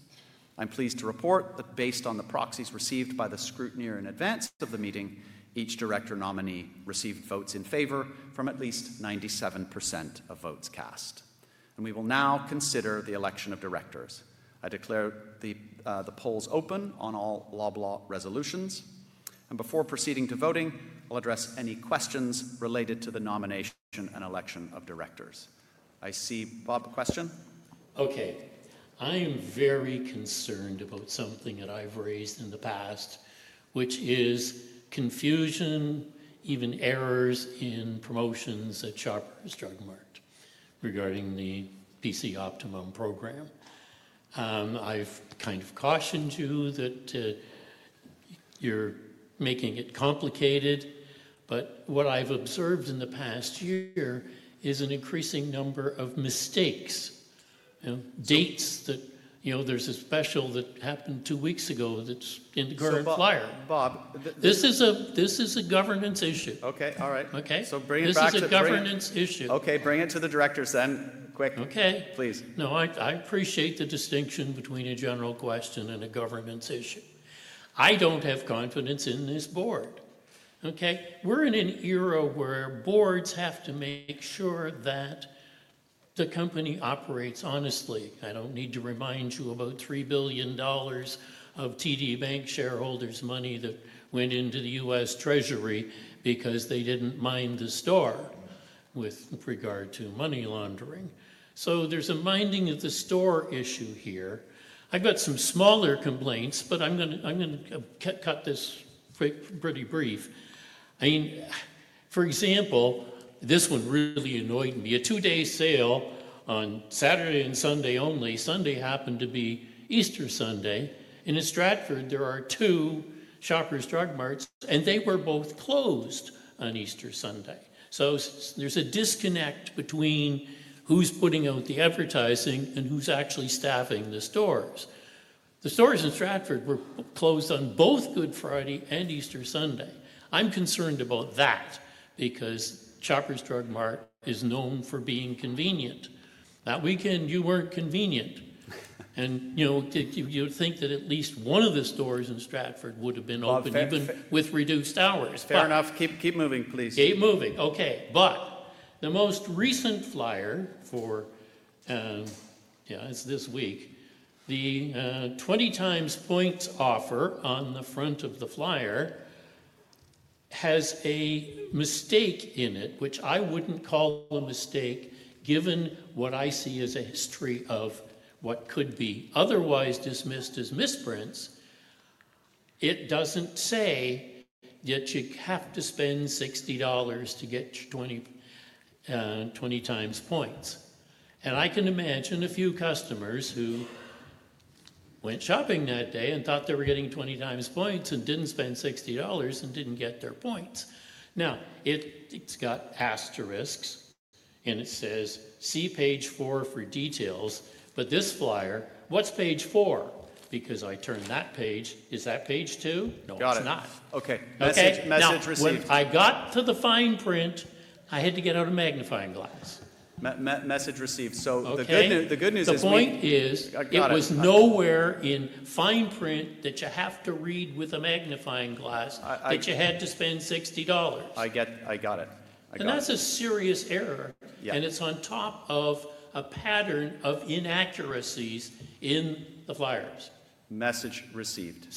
Speaker 9: I'm pleased to report that based on the proxies received by the scrutineer in advance of the meeting, each director nominee received votes in favor from at least 97% of votes cast. We will now consider the election of directors. I declare the polls open on all Loblaw resolutions. Before proceeding to voting, I'll address any questions related to the nomination and election of directors. I see Bob, a question?
Speaker 5: Okay, I am very concerned about something that I've raised in the past, which is confusion, even errors in promotions at Shoppers Drug Mart regarding the PC Optimum program. I've kind of cautioned you that you're making it complicated, but what I've observed in the past year is an increasing number of mistakes, dates that, you know, there's a special that happened two weeks ago that's in the current flyer.
Speaker 1: Bob,
Speaker 5: this is a governance issue.
Speaker 1: Okay, all right. Okay, so bring it back to the board.
Speaker 5: This is a governance issue.
Speaker 1: Okay, bring it to the directors then. Quick, please.
Speaker 5: Okay. No, I appreciate the distinction between a general question and a governance issue. I don't have confidence in this board. We're in an era where boards have to make sure that the company operates honestly. I don't need to remind you about $3 billion of TD Bank shareholders' money that went into the U.S. Treasury because they didn't mind the store with regard to money laundering. There is a minding of the store issue here. I've got some smaller complaints, but I'm going to cut this pretty brief. I mean, for example, this one really annoyed me. A two-day sale on Saturday and Sunday only. Sunday happened to be Easter Sunday. In Stratford, there are two Shoppers Drug Marts, and they were both closed on Easter Sunday. There is a disconnect between who's putting out the advertising and who's actually staffing the stores. The stores in Stratford were closed on both Good Friday and Easter Sunday. I'm concerned about that because Shoppers Drug Mart is known for being convenient. That weekend, you were not convenient. You know, you would think that at least one of the stores in Stratford would have been open even with reduced hours.
Speaker 1: Fair enough. Keep moving, please.
Speaker 5: Keep moving. Okay, but the most recent flyer for, yeah, it's this week, the 20 times points offer on the front of the flyer has a mistake in it, which I wouldn't call a mistake given what I see as a history of what could be otherwise dismissed as misprints. It doesn't say that you have to spend 60 dollars to get 20 times points. I can imagine a few customers who went shopping that day and thought they were getting 20 times points and didn't spend 60 dollars and didn't get their points. Now, it's got asterisks and it says, "See page four for details." This flyer, what's page four? I turned that page. Is that page two? No, it's not. Got it.
Speaker 1: Okay. Message received.
Speaker 5: When I got to the fine print, I had to get out a magnifying glass.
Speaker 1: Message received. The good news is
Speaker 5: the point is it was nowhere in fine print that you have to read with a magnifying glass that you had to spend 60 dollars.
Speaker 1: I got it.
Speaker 5: And that's a serious error. It's on top of a pattern of inaccuracies in the flyers.
Speaker 1: Message received.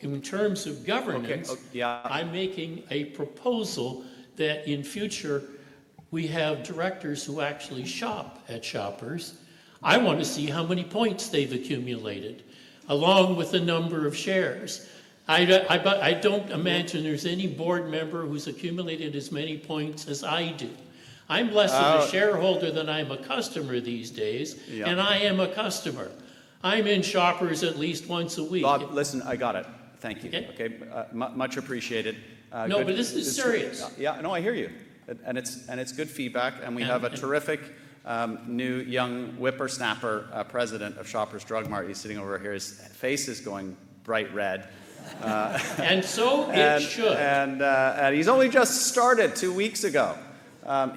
Speaker 5: In terms of governance, I'm making a proposal that in future we have directors who actually shop at Shoppers. I want to see how many points they've accumulated along with the number of shares. I don't imagine there's any board member who's accumulated as many points as I do. I'm less of a shareholder than I'm a customer these days, and I am a customer. I'm in Shoppers at least once a week.
Speaker 1: Bob, listen, I got it. Thank you. Okay. Much appreciated.
Speaker 5: No, but this is serious.
Speaker 1: Yeah, I hear you. It's good feedback. We have a terrific new young whippersnapper President of Shoppers Drug Mart. He's sitting over here. His face is going bright red.
Speaker 5: It should.
Speaker 1: He's only just started two weeks ago.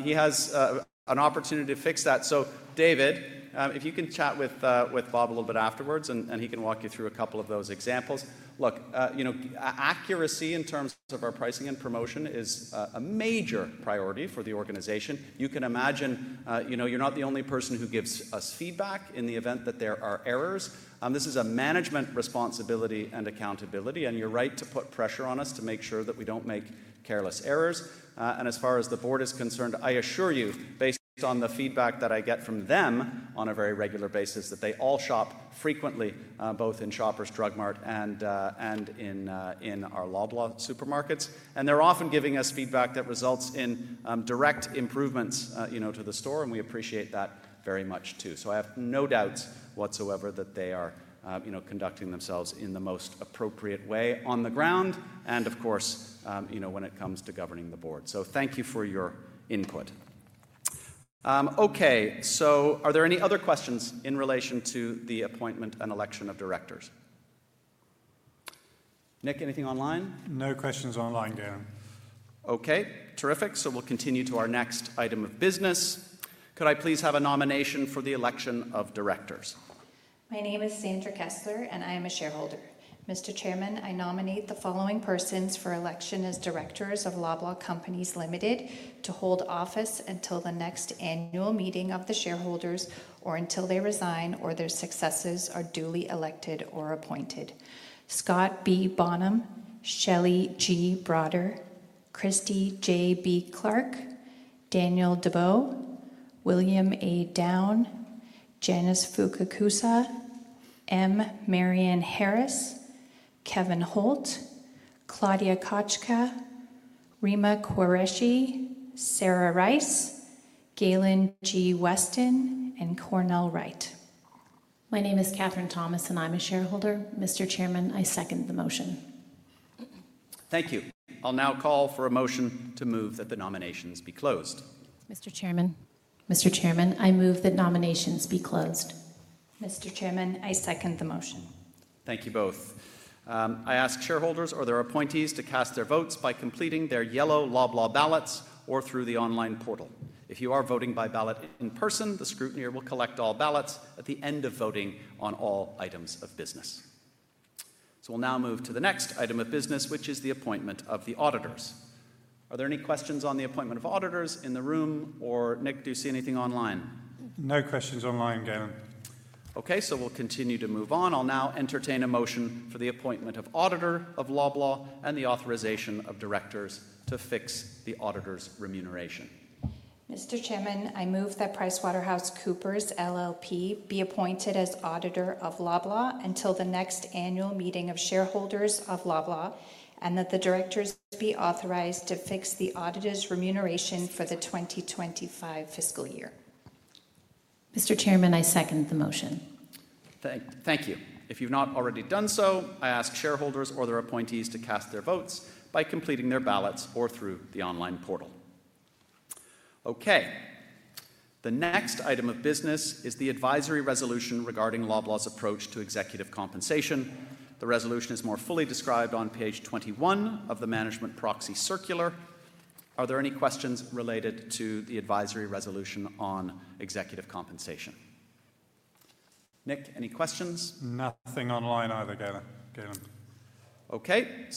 Speaker 1: He has an opportunity to fix that. David, if you can chat with Bob a little bit afterwards, he can walk you through a couple of those examples. Look, you know, accuracy in terms of our pricing and promotion is a major priority for the organization. You can imagine, you know, you're not the only person who gives us feedback in the event that there are errors. This is a management responsibility and accountability. You're right to put pressure on us to make sure that we don't make careless errors. As far as the board is concerned, I assure you, based on the feedback that I get from them on a very regular basis, that they all shop frequently, both in Shoppers Drug Mart and in our Loblaw supermarkets. They are often giving us feedback that results in direct improvements, you know, to the store. We appreciate that very much too. I have no doubts whatsoever that they are, you know, conducting themselves in the most appropriate way on the ground. Of course, you know, when it comes to governing the board. Thank you for your input. Okay, are there any other questions in relation to the appointment and election of directors? Nick, anything online?
Speaker 9: No questions online, Galen.
Speaker 1: Okay, terrific. We will continue to our next item of business. Could I please have a nomination for the election of directors?
Speaker 10: My name is Sandra Kessler, and I am a shareholder. Mr. Chairman, I nominate the following persons for election as directors of Loblaw Companies Limited to hold office until the next annual meeting of the shareholders or until they resign or their successors are duly elected or appointed. Scott B. Bonham, Shelly G. Broder, Christie J. B. Clark, Danielle Dubeau, William A. Downe, Janice Fukakusa, M. Marianne Harris, Kevin Holt, Claudia Kotchka, Rima Qureshi, Sarah Rice, Galen G. Weston, and Cornell Wright.
Speaker 11: My name is Catherine Thomas, and I'm a shareholder. Mr. Chairman, I second the motion.
Speaker 1: Thank you. I'll now call for a motion to move that the nominations be closed.
Speaker 11: Mr. Chairman. Mr. Chairman, I move that nominations be closed.
Speaker 10: Mr. Chairman, I second the motion. Thank you both.
Speaker 1: I ask shareholders or their appointees to cast their votes by completing their yellow Loblaw ballots or through the online portal. If you are voting by ballot in person, the scrutineer will collect all ballots at the end of voting on all items of business. We will now move to the next item of business, which is the appointment of the auditors. Are there any questions on the appointment of auditors in the room? Nick, do you see anything online?
Speaker 9: No questions online, Galen.
Speaker 1: Okay, we will continue to move on. I'll now entertain a motion for the appointment of auditor of Loblaw and the authorization of directors to fix the auditor's remuneration.
Speaker 10: Mr. Chairman, I move that PricewaterhouseCoopers LLP be appointed as auditor of Loblaw until the next annual meeting of shareholders of Loblaw and that the directors be authorized to fix the auditor's remuneration for the 2025 fiscal year.
Speaker 11: Mr. Chairman, I second the motion.
Speaker 1: Thank you. If you've not already done so, I ask shareholders or their appointees to cast their votes by completing their ballots or through the online portal. The next item of business is the advisory resolution regarding Loblaw's approach to executive compensation. The resolution is more fully described on page 21 of the management proxy circular. Are there any questions related to the advisory resolution on executive compensation? Nick, any questions?
Speaker 9: Nothing online either, Galen.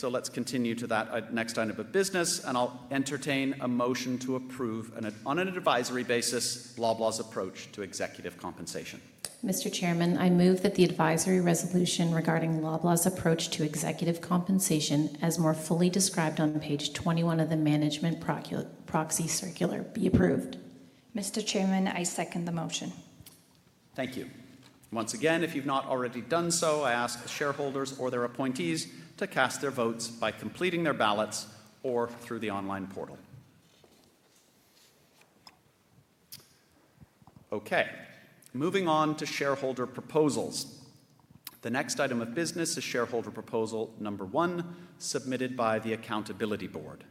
Speaker 1: Let's continue to that next item of business. I'll entertain a motion to approve on an advisory basis Loblaw's approach to executive compensation.
Speaker 10: Mr. Chairman, I move that the advisory resolution regarding Loblaw's approach to executive compensation as more fully described on page 21 of the management proxy circular be approved.
Speaker 11: Mr. Chairman, I second the motion.
Speaker 1: Thank you. Once again, if you've not already done so, I ask shareholders or their appointees to cast their votes by completing their ballots or through the online portal. Okay, moving on to shareholder proposals. The next item of business is shareholder proposal number 1, submitted by The Accountability Board.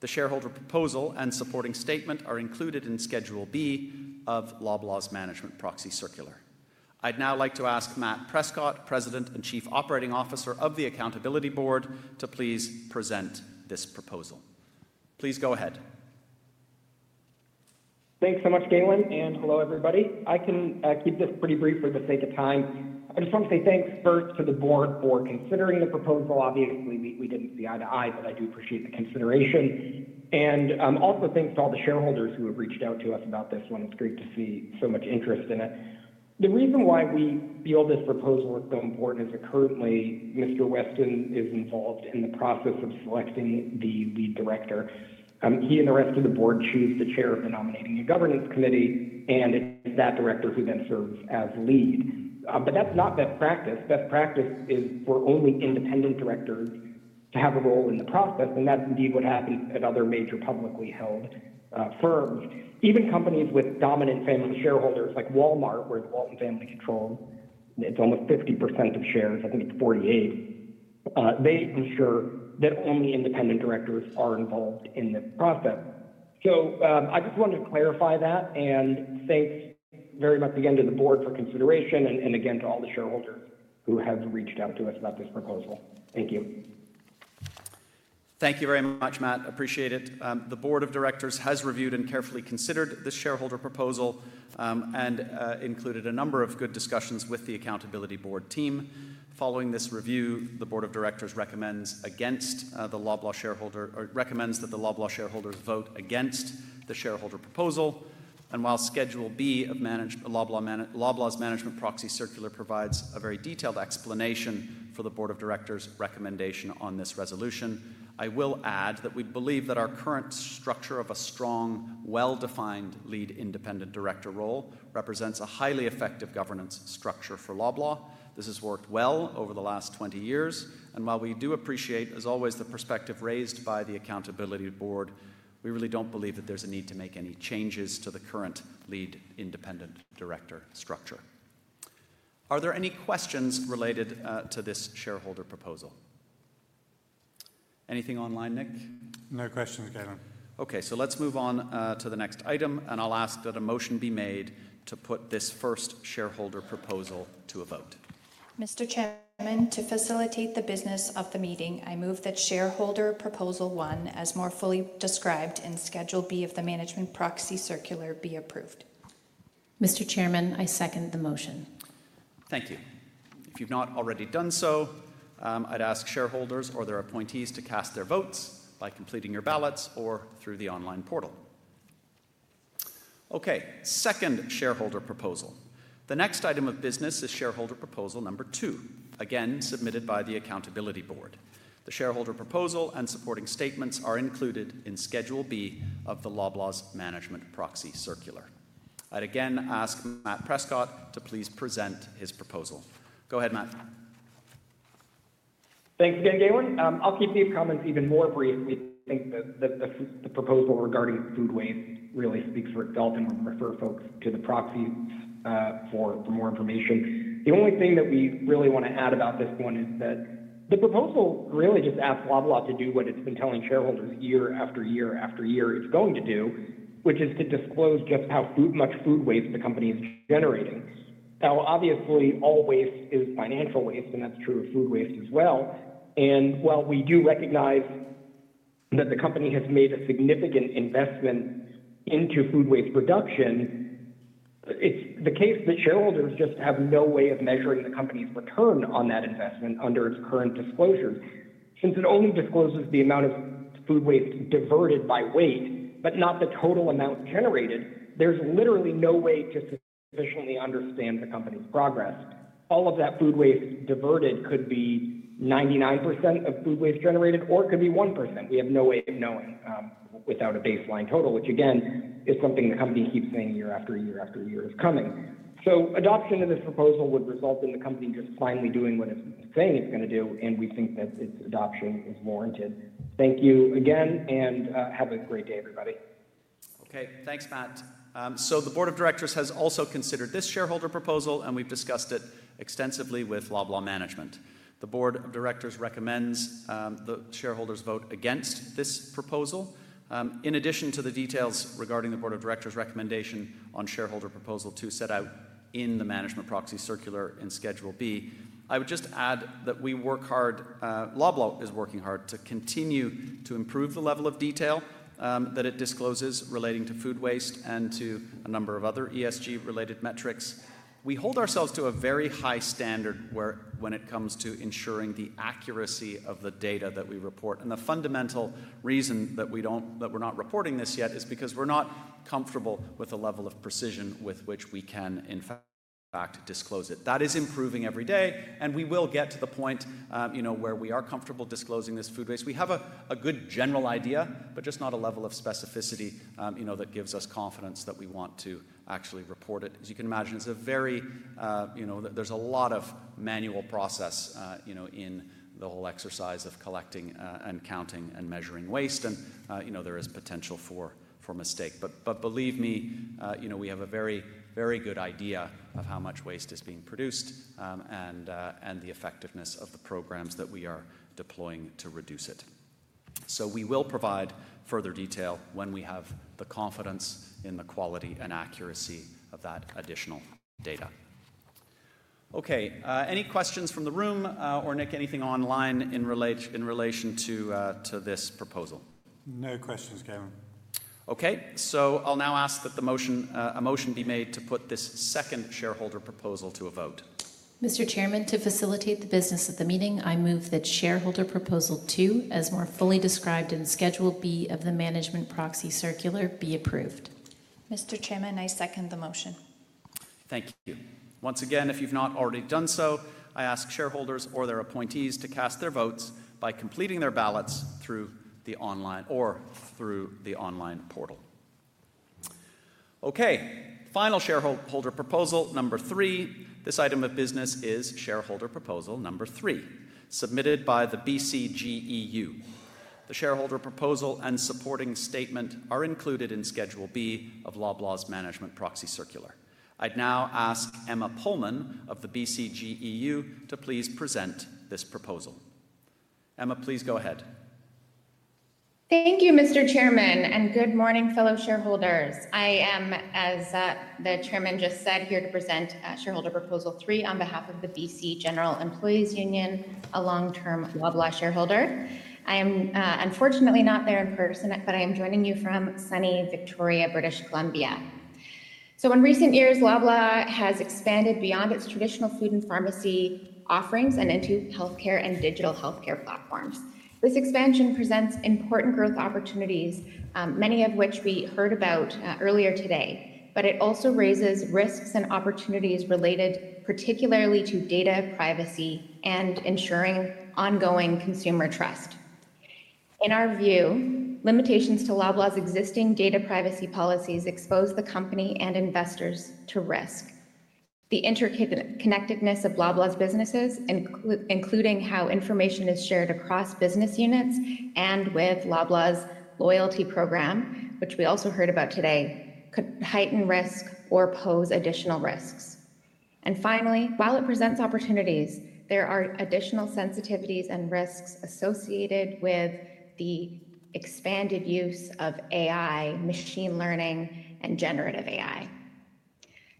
Speaker 1: The shareholder proposal and supporting statement are included in schedule B of Loblaw's management proxy circular. I'd now like to ask Matt Prescott, President and Chief Operating Officer of The Accountability Board, to please present this proposal. Please go ahead.
Speaker 12: Thanks so much, Galen. Hello, everybody. I can keep this pretty brief for the sake of time. I just want to say thanks first to the board for considering the proposal. Obviously, we did not see eye to eye, but I do appreciate the consideration. I also thank all the shareholders who have reached out to us about this one. It is great to see so much interest in it. The reason why we feel this proposal is so important is that currently, Mr. Weston is involved in the process of selecting the lead director. He and the rest of the board choose the chair of the nominating and governance committee, and it is that director who then serves as lead. That is not best practice. Best practice is for only independent directors to have a role in the process. That is indeed what happens at other major publicly held firms. Even companies with dominant family shareholders like Walmart, where the Walton family controls, it's almost 50% of shares, I think it's 48%. They ensure that only independent directors are involved in this process. I just wanted to clarify that and thank very much again to the board for consideration and again to all the shareholders who have reached out to us about this proposal. Thank you.
Speaker 1: Thank you very much, Matt. Appreciate it. The board of directors has reviewed and carefully considered this shareholder proposal and included a number of good discussions with The Accountability Board team. Following this review, the board of directors recommends against the Loblaw shareholder or recommends that the Loblaw shareholders vote against the shareholder proposal. While schedule B of Loblaw's management proxy circular provides a very detailed explanation for the board of directors' recommendation on this resolution, I will add that we believe that our current structure of a strong, well-defined lead independent director role represents a highly effective governance structure for Loblaw. This has worked well over the last 20 years. While we do appreciate, as always, the perspective raised by The Accountability Board, we really do not believe that there is a need to make any changes to the current lead independent director structure. Are there any questions related to this shareholder proposal? Anything online, Nick?
Speaker 9: No questions, Galen.
Speaker 1: Okay, let's move on to the next item. I will ask that a motion be made to put this first shareholder proposal to a vote.
Speaker 10: Mr. Chairman, to facilitate the business of the meeting, I move that shareholder proposal 1 as more fully described in schedule B of the management proxy circular be approved.
Speaker 11: Mr. Chairman, I second the motion.
Speaker 1: Thank you. If you've not already done so, I'd ask shareholders or their appointees to cast their votes by completing your ballots or through the online portal. Okay, second shareholder proposal. The next item of business is shareholder proposal number 2, again submitted by The Accountability Board. The shareholder proposal and supporting statements are included in schedule B of the Loblaw's management proxy circular. I'd again ask Matt Prescott to please present his proposal. Go ahead, Matt.
Speaker 12: Thanks again, Darren. I'll keep these comments even more brief. We think that the proposal regarding food waste really speaks for itself and would refer folks to the proxy for more information. The only thing that we really want to add about this one is that the proposal really just asks Loblaw to do what it's been telling shareholders year after year after year it's going to do, which is to disclose just how much food waste the company is generating. Obviously, all waste is financial waste, and that's true of food waste as well. While we do recognize that the company has made a significant investment into food waste reduction, it's the case that shareholders just have no way of measuring the company's return on that investment under its current disclosures. Since it only discloses the amount of food waste diverted by weight, but not the total amount generated, there's literally no way to sufficiently understand the company's progress. All of that food waste diverted could be 99% of food waste generated, or it could be 1%. We have no way of knowing without a baseline total, which again is something the company keeps saying year after year after year is coming. Adoption of this proposal would result in the company just finally doing what it's saying it's going to do, and we think that its adoption is warranted. Thank you again, and have a great day, everybody.
Speaker 1: Okay, thanks, Matt. The board of directors has also considered this shareholder proposal, and we've discussed it extensively with Loblaw Management. The board of directors recommends the shareholders vote against this proposal. In addition to the details regarding the board of directors' recommendation on shareholder proposal II set out in the management proxy circular in schedule B, I would just add that we work hard. Loblaw is working hard to continue to improve the level of detail that it discloses relating to food waste and to a number of other ESG-related metrics. We hold ourselves to a very high standard when it comes to ensuring the accuracy of the data that we report. The fundamental reason that we're not reporting this yet is because we're not comfortable with the level of precision with which we can, in fact, disclose it. That is improving every day, and we will get to the point, you know, where we are comfortable disclosing this food waste. We have a good general idea, but just not a level of specificity, you know, that gives us confidence that we want to actually report it. As you can imagine, it's a very, you know, there's a lot of manual process, you know, in the whole exercise of collecting and counting and measuring waste. And, you know, there is potential for mistake. But believe me, you know, we have a very, very good idea of how much waste is being produced and the effectiveness of the programs that we are deploying to reduce it. We will provide further detail when we have the confidence in the quality and accuracy of that additional data. Okay, any questions from the room? Or Nick, anything online in relation to this proposal?
Speaker 9: No questions, Galen.
Speaker 1: Okay, so I'll now ask that a motion be made to put this second shareholder proposal to a vote.
Speaker 10: Mr. Chairman, to facilitate the business of the meeting, I move that shareholder proposal II as more fully described in schedule B of the management proxy circular be approved.
Speaker 11: Mr. Chairman, I second the motion.
Speaker 1: Thank you. Once again, if you've not already done so, I ask shareholders or their appointees to cast their votes by completing their ballots through the online portal. Okay, final shareholder proposal number 3. This item of business is shareholder proposal number 3, submitted by the BCGEU. The shareholder proposal and supporting statement are included in schedule B of Loblaw's management proxy circular. I'd now ask Emma Pullman of the BCGEU to please present this proposal. Emma, please go ahead.
Speaker 13: Thank you, Mr. Chairman, and good morning, fellow shareholders. I am, as the Chairman just said, here to present shareholder proposal III on behalf of the BCGEU, a long-term Loblaw shareholder. I am unfortunately not there in person, but I am joining you from sunny Victoria, British Columbia. In recent years, Loblaw has expanded beyond its traditional food and pharmacy offerings and into healthcare and digital healthcare platforms. This expansion presents important growth opportunities, many of which we heard about earlier today, but it also raises risks and opportunities related particularly to data privacy and ensuring ongoing consumer trust. In our view, limitations to Loblaw's existing data privacy policies expose the company and investors to risk. The interconnectedness of Loblaw's businesses, including how information is shared across business units and with Loblaw's loyalty program, which we also heard about today, could heighten risk or pose additional risks. Finally, while it presents opportunities, there are additional sensitivities and risks associated with the expanded use of AI, machine learning, and generative AI.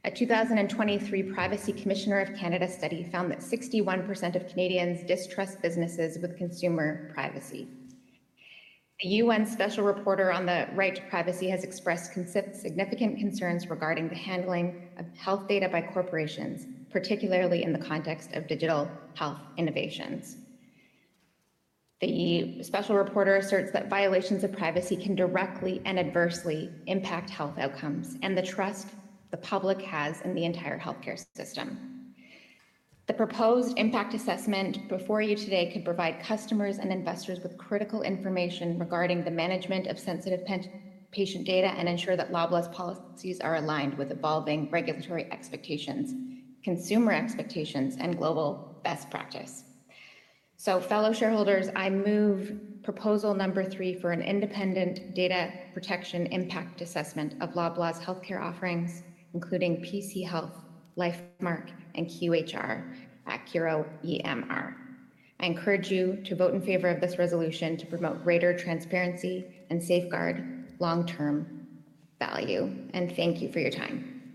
Speaker 13: A 2023 Privacy Commissioner of Canada study found that 61% of Canadians distrust businesses with consumer privacy. A UN special reporter on the right to privacy has expressed significant concerns regarding the handling of health data by corporations, particularly in the context of digital health innovations. The special reporter asserts that violations of privacy can directly and adversely impact health outcomes and the trust the public has in the entire healthcare system. The proposed impact assessment before you today could provide customers and investors with critical information regarding the management of sensitive patient data and ensure that Loblaw's policies are aligned with evolving regulatory expectations, consumer expectations, and global best practice. Fellow shareholders, I move proposal number 3 for an independent data protection impact assessment of Loblaw's healthcare offerings, including PC Health, Lifemark, and QHR, Accuro EMR. I encourage you to vote in favor of this resolution to promote greater transparency and safeguard long-term value. Thank you for your time.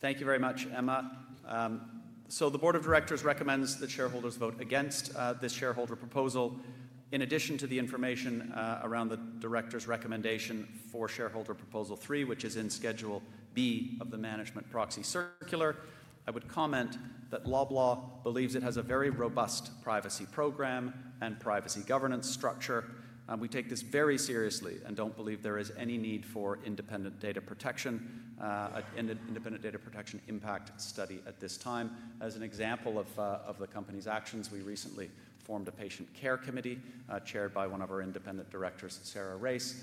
Speaker 1: Thank you very much, Emma. The board of directors recommends that shareholders vote against this shareholder proposal. In addition to the information around the director's recommendation for shareholder proposal three, which is in schedule B of the management proxy circular, I would comment that Loblaw believes it has a very robust privacy program and privacy governance structure. We take this very seriously and do not believe there is any need for independent data protection and an independent data protection impact study at this time. As an example of the company's actions, we recently formed a patient care committee chaired by one of our independent directors, Sarah Raiss.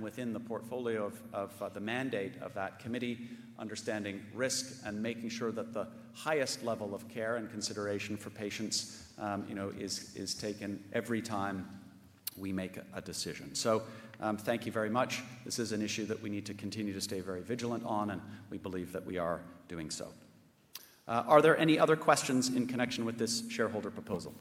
Speaker 1: Within the portfolio of the mandate of that committee, understanding risk and making sure that the highest level of care and consideration for patients, you know, is taken every time we make a decision. Thank you very much. This is an issue that we need to continue to stay very vigilant on, and we believe that we are doing so. Are there any other questions in connection with this shareholder proposal?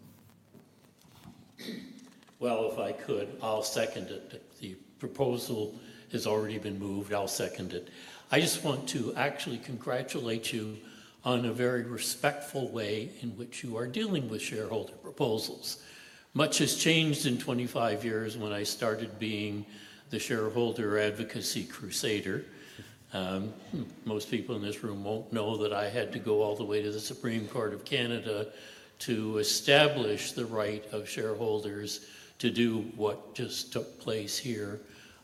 Speaker 5: If I could, I'll second it. The proposal has already been moved. I'll second it. I just want to actually congratulate you on a very respectful way in which you are dealing with shareholder proposals. Much has changed in 25 years when I started being the shareholder advocacy crusader. Most people in this room won't know that I had to go all the way to the Supreme Court of Canada to establish the right of shareholders to do what just took place here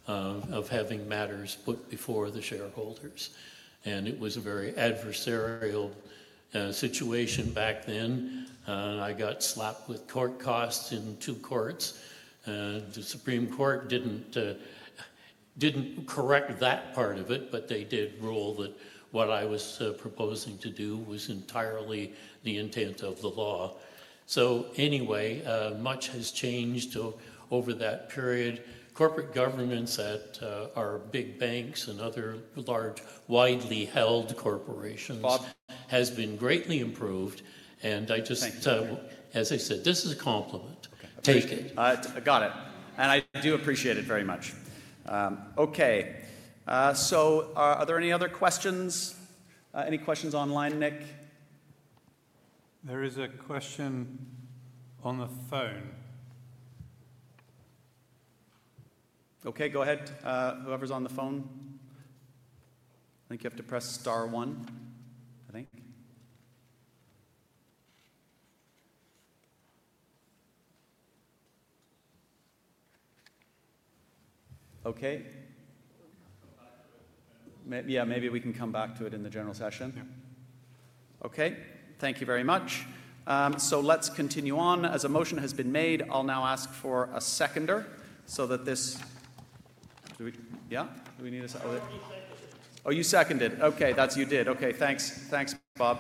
Speaker 5: of having matters put before the shareholders. It was a very adversarial situation back then. I got slapped with court costs in two courts. The Supreme Court did not correct that part of it, but they did rule that what I was proposing to do was entirely the intent of the law. Much has changed over that period. Corporate governance at our big banks and other large, widely held corporations has been greatly improved. I just, as I said, this is a compliment. Take it.
Speaker 1: Got it. I do appreciate it very much. Okay, are there any other questions? Any questions online, Nick?
Speaker 9: There is a question on the phone.
Speaker 1: Okay, go ahead. Whoever's on the phone. I think you have to press star one, I think. Yeah, maybe we can come back to it in the general session. Thank you very much. Let's continue on. As a motion has been made, I'll now ask for a seconder so that this—yeah? Do we need a seconder? Oh, you seconded. That's you did. Thanks. Thanks, Bob.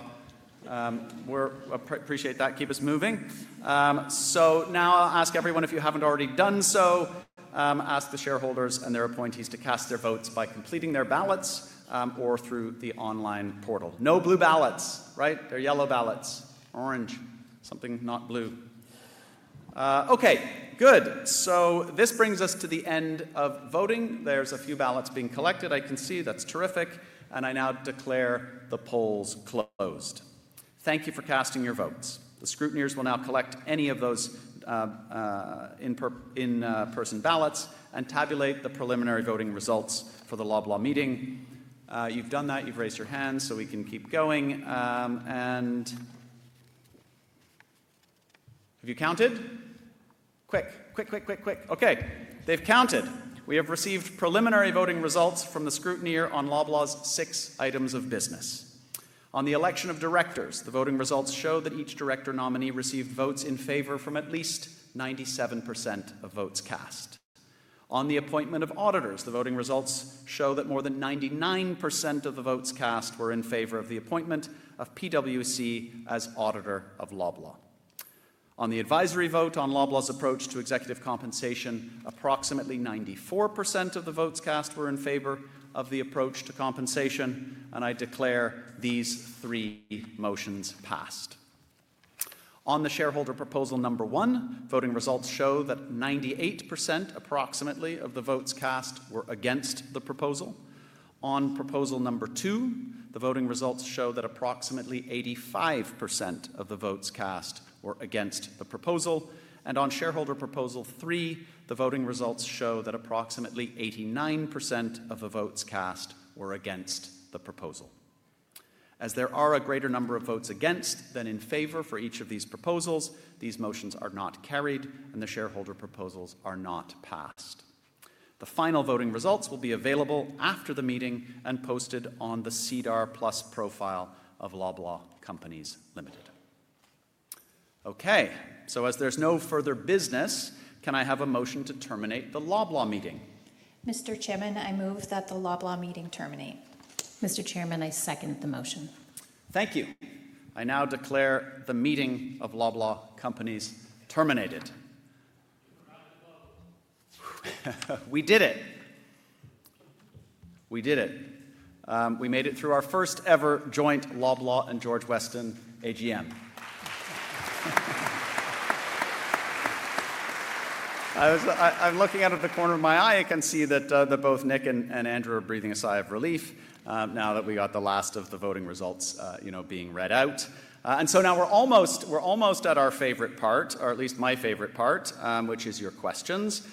Speaker 1: We appreciate that. Keep us moving. Now I'll ask everyone, if you haven't already done so, ask the shareholders and their appointees to cast their votes by completing their ballots or through the online portal. No blue ballots, right? They're yellow ballots. Orange. Something not blue. Good. This brings us to the end of voting. There's a few ballots being collected. I can see. That's terrific. I now declare the polls closed. Thank you for casting your votes. The scrutineers will now collect any of those in-person ballots and tabulate the preliminary voting results for the Loblaw meeting. You've done that. You've raised your hands so we can keep going. Have you counted? Quick, quick, quick, quick, quick. Okay, they've counted. We have received preliminary voting results from the scrutineer on Loblaw's six items of business. On the election of directors, the voting results show that each director nominee received votes in favor from at least 97% of votes cast. On the appointment of auditors, the voting results show that more than 99% of the votes cast were in favor of the appointment of PwC as auditor of Loblaw. On the advisory vote on Loblaw's approach to executive compensation, approximately 94% of the votes cast were in favor of the approach to compensation. I declare these three motions passed. On the shareholder proposal number 1, voting results show that 98%, approximately, of the votes cast were against the proposal. On proposal number 2, the voting results show that approximately 85% of the votes cast were against the proposal. On shareholder proposal 3, the voting results show that approximately 89% of the votes cast were against the proposal. As there are a greater number of votes against than in favor for each of these proposals, these motions are not carried, and the shareholder proposals are not passed. The final voting results will be available after the meeting and posted on the SEDAR+ profile of Loblaw Companies Limited. Okay, as there's no further business, can I have a motion to terminate the Loblaw meeting?
Speaker 10: Mr. Chairman, I move that the Loblaw meeting terminate.
Speaker 11: Mr. Chairman, I second the motion. Thank you.
Speaker 1: I now declare the meeting of Loblaw Companies terminated. We did it. We did it. We made it through our first ever joint Loblaw and George Weston AGM. I'm looking out of the corner of my eye. I can see that both Nick and Andrew are breathing a sigh of relief now that we got the last of the voting results, you know, being read out. Now we're almost at our favorite part, or at least my favorite part, which is your questions.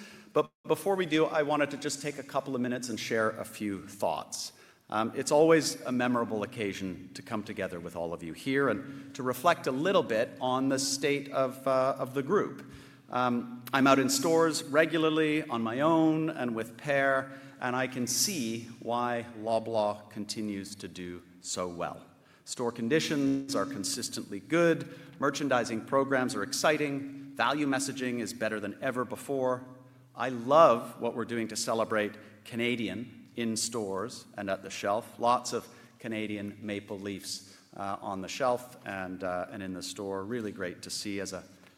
Speaker 1: Before we do, I wanted to just take a couple of minutes and share a few thoughts. It's always a memorable occasion to come together with all of you here and to reflect a little bit on the state of the group. I'm out in stores regularly on my own and with Per, and I can see why Loblaw continues to do so well. Store conditions are consistently good. Merchandising programs are exciting. Value messaging is better than ever before. I love what we're doing to celebrate Canadian in stores and at the shelf. Lots of Canadian maple leafs on the shelf and in the store. Really great to see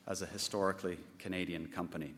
Speaker 1: as a historically Canadian company.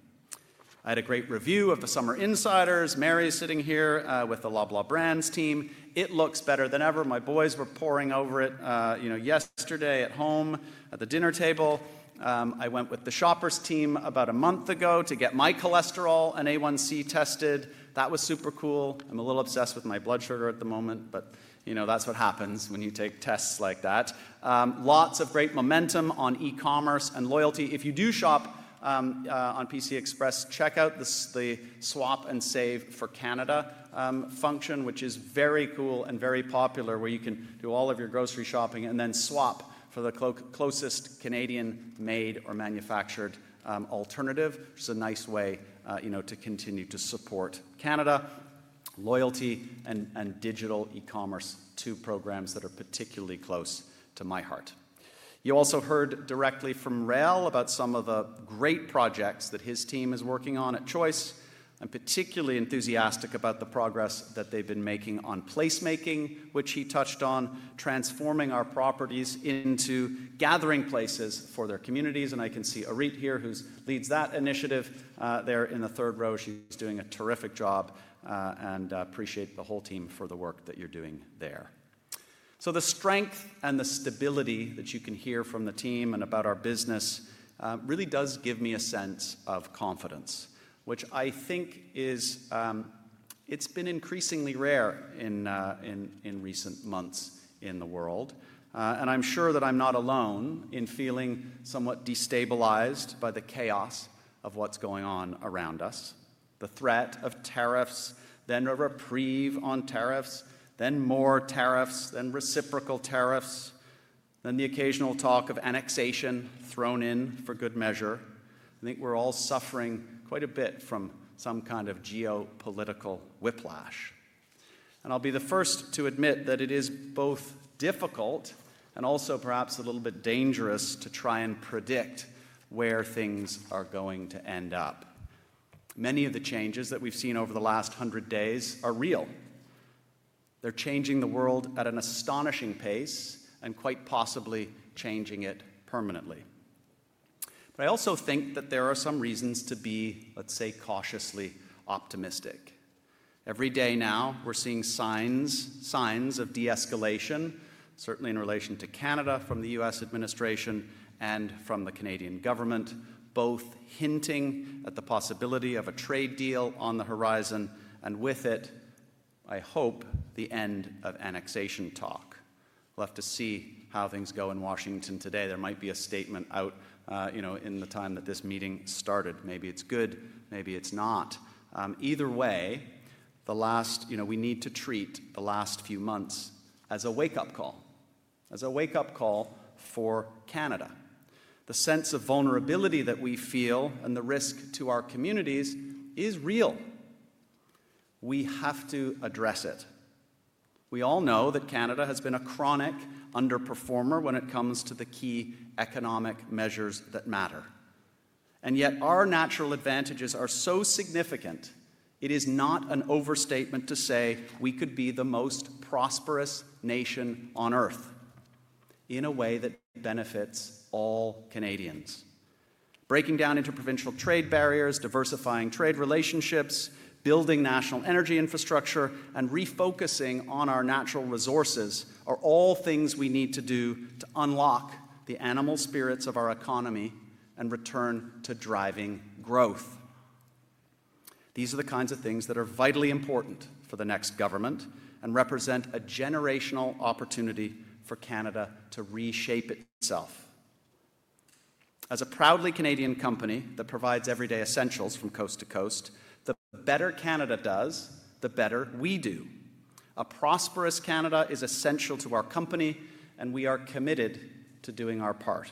Speaker 1: I had a great review of the summer insiders. Mary is sitting here with the Loblaw brand's team. It looks better than ever. My boys were pouring over it, you know, yesterday at home at the dinner table. I went with the Shoppers team about a month ago to get my cholesterol and A1C tested. That was super cool. I'm a little obsessed with my blood sugar at the moment, but you know, that's what happens when you take tests like that. Lots of great momentum on e-commerce and loyalty. If you do shop on PC Express, check out the Swap and Save for Canada function, which is very cool and very popular, where you can do all of your grocery shopping and then swap for the closest Canadian-made or manufactured alternative, which is a nice way, you know, to continue to support Canada. Loyalty and digital e-commerce, two programs that are particularly close to my heart. You also heard directly from Rael about some of the great projects that his team is working on at Choice. I am particularly enthusiastic about the progress that they have been making on placemaking, which he touched on, transforming our properties into gathering places for their communities. I can see Arit here, who leads that initiative there in the third row. She is doing a terrific job and appreciate the whole team for the work that you are doing there. The strength and the stability that you can hear from the team and about our business really does give me a sense of confidence, which I think is, it's been increasingly rare in recent months in the world. I'm sure that I'm not alone in feeling somewhat destabilized by the chaos of what's going on around us. The threat of tariffs, then a reprieve on tariffs, then more tariffs, then reciprocal tariffs, then the occasional talk of annexation thrown in for good measure. I think we're all suffering quite a bit from some kind of geopolitical whiplash. I'll be the first to admit that it is both difficult and also perhaps a little bit dangerous to try and predict where things are going to end up. Many of the changes that we've seen over the last hundred days are real. They're changing the world at an astonishing pace and quite possibly changing it permanently. I also think that there are some reasons to be, let's say, cautiously optimistic. Every day now we're seeing signs of de-escalation, certainly in relation to Canada from the U.S. administration and from the Canadian government, both hinting at the possibility of a trade deal on the horizon and with it, I hope, the end of annexation talk. We'll have to see how things go in Washington today. There might be a statement out, you know, in the time that this meeting started. Maybe it's good. Maybe it's not. Either way, the last, you know, we need to treat the last few months as a wake-up call. As a wake-up call for Canada. The sense of vulnerability that we feel and the risk to our communities is real. We have to address it. We all know that Canada has been a chronic underperformer when it comes to the key economic measures that matter. Yet our natural advantages are so significant, it is not an overstatement to say we could be the most prosperous nation on earth in a way that benefits all Canadians. Breaking down interprovincial trade barriers, diversifying trade relationships, building national energy infrastructure, and refocusing on our natural resources are all things we need to do to unlock the animal spirits of our economy and return to driving growth. These are the kinds of things that are vitally important for the next government and represent a generational opportunity for Canada to reshape itself. As a proudly Canadian company that provides everyday essentials from coast to coast, the better Canada does, the better we do. A prosperous Canada is essential to our company, and we are committed to doing our part.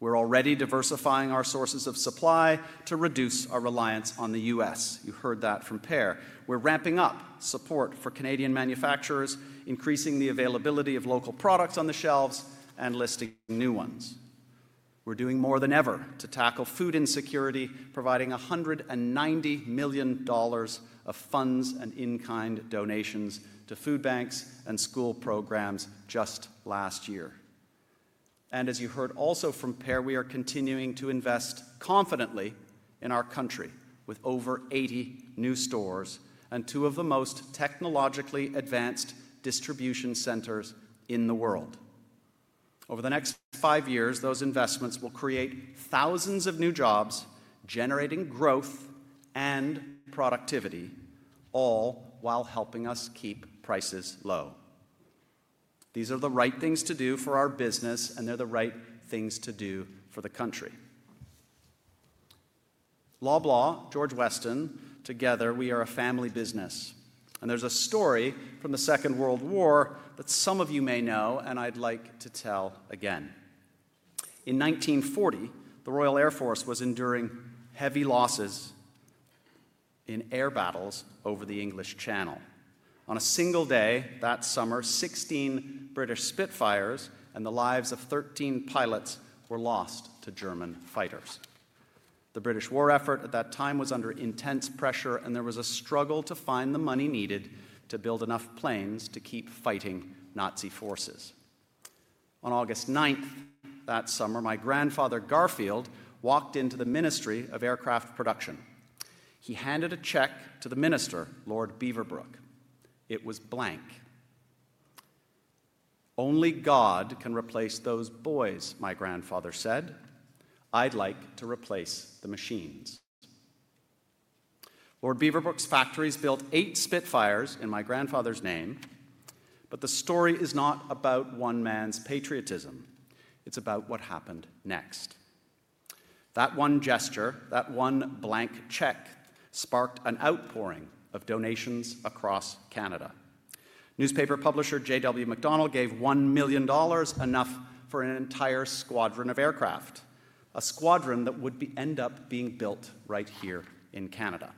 Speaker 1: We're already diversifying our sources of supply to reduce our reliance on the U.S. You heard that from Per. We're ramping up support for Canadian manufacturers, increasing the availability of local products on the shelves and listing new ones. We're doing more than ever to tackle food insecurity, providing 190 million dollars of funds and in-kind donations to food banks and school programs just last year. As you heard also from Per, we are continuing to invest confidently in our country with over 80 new stores and two of the most technologically advanced distribution centers in the world. Over the next five years, those investments will create thousands of new jobs, generating growth and productivity, all while helping us keep prices low. These are the right things to do for our business, and they're the right things to do for the country. Loblaw, George Weston, together, we are a family business. There is a story from the Second World War that some of you may know, and I would like to tell again. In 1940, the Royal Air Force was enduring heavy losses in air battles over the English Channel. On a single day that summer, 16 British Spitfires and the lives of 13 pilots were lost to German fighters. The British war effort at that time was under intense pressure, and there was a struggle to find the money needed to build enough planes to keep fighting Nazi forces. On August 9th that summer, my grandfather Garfield walked into the Ministry of Aircraft Production. He handed a check to the minister, Lord Beaverbrook. It was blank. "Only God can replace those boys," my grandfather said. I'd like to replace the machines." Lord Beaverbrook's factories built eight Spitfires in my grandfather's name, but the story is not about one man's patriotism. It's about what happened next. That one gesture, that one blank check sparked an outpouring of donations across Canada. Newspaper publisher J.W. McDonnell gave 1 million dollars, enough for an entire squadron of aircraft, a squadron that would end up being built right here in Canada.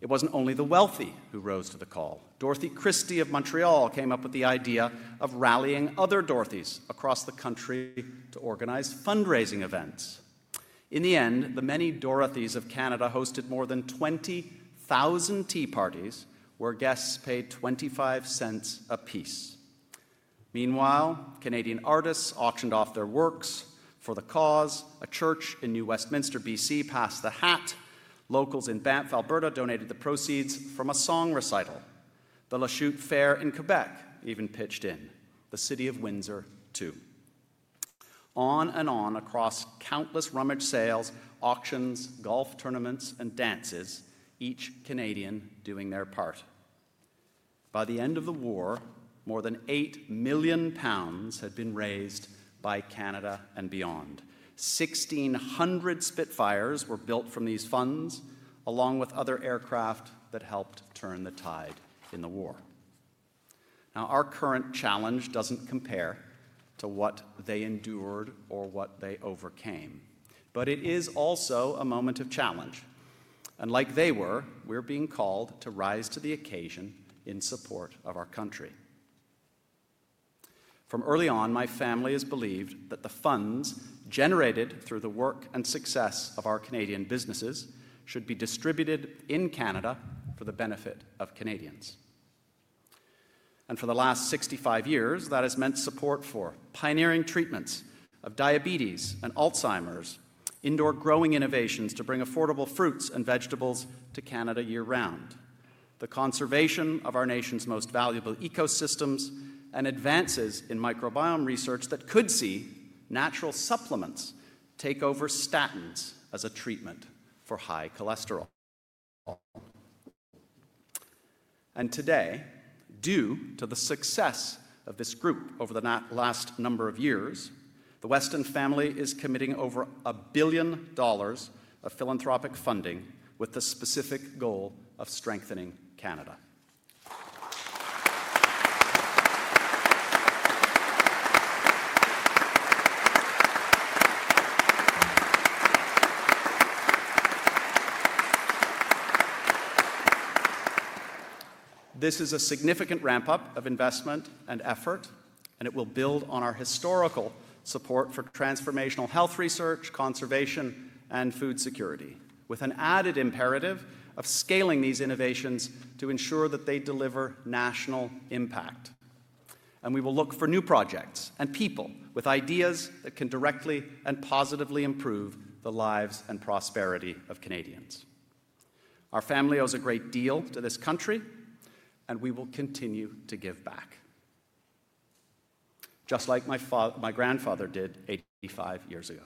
Speaker 1: It wasn't only the wealthy who rose to the call. Dorothy Christie of Montreal came up with the idea of rallying other Dorothys across the country to organize fundraising events. In the end, the many Dorothys of Canada hosted more than 20,000 tea parties where guests paid 25 cents apiece. Meanwhile, Canadian artists auctioned off their works for the cause. A church in New Westminster, B.C., passed the hat. Locals in Banff, Alberta, donated the proceeds from a song recital. The La Chute Fair in Quebec even pitched in. The city of Windsor, too. On and on across countless rummage sales, auctions, golf tournaments, and dances, each Canadian doing their part. By the end of the war, more than 8 million pounds had been raised by Canada and beyond. 1,600 Spitfires were built from these funds, along with other aircraft that helped turn the tide in the war. Now, our current challenge does not compare to what they endured or what they overcame, but it is also a moment of challenge. Like they were, we are being called to rise to the occasion in support of our country. From early on, my family has believed that the funds generated through the work and success of our Canadian businesses should be distributed in Canada for the benefit of Canadians. For the last 65 years, that has meant support for pioneering treatments of diabetes and Alzheimer's, indoor growing innovations to bring affordable fruits and vegetables to Canada year-round, the conservation of our nation's most valuable ecosystems, and advances in microbiome research that could see natural supplements take over statins as a treatment for high cholesterol. Today, due to the success of this group over the last number of years, the Weston family is committing over 1 billion dollars of philanthropic funding with the specific goal of strengthening Canada. This is a significant ramp-up of investment and effort, and it will build on our historical support for transformational health research, conservation, and food security, with an added imperative of scaling these innovations to ensure that they deliver national impact. We will look for new projects and people with ideas that can directly and positively improve the lives and prosperity of Canadians. Our family owes a great deal to this country, and we will continue to give back, just like my grandfather did 85 years ago.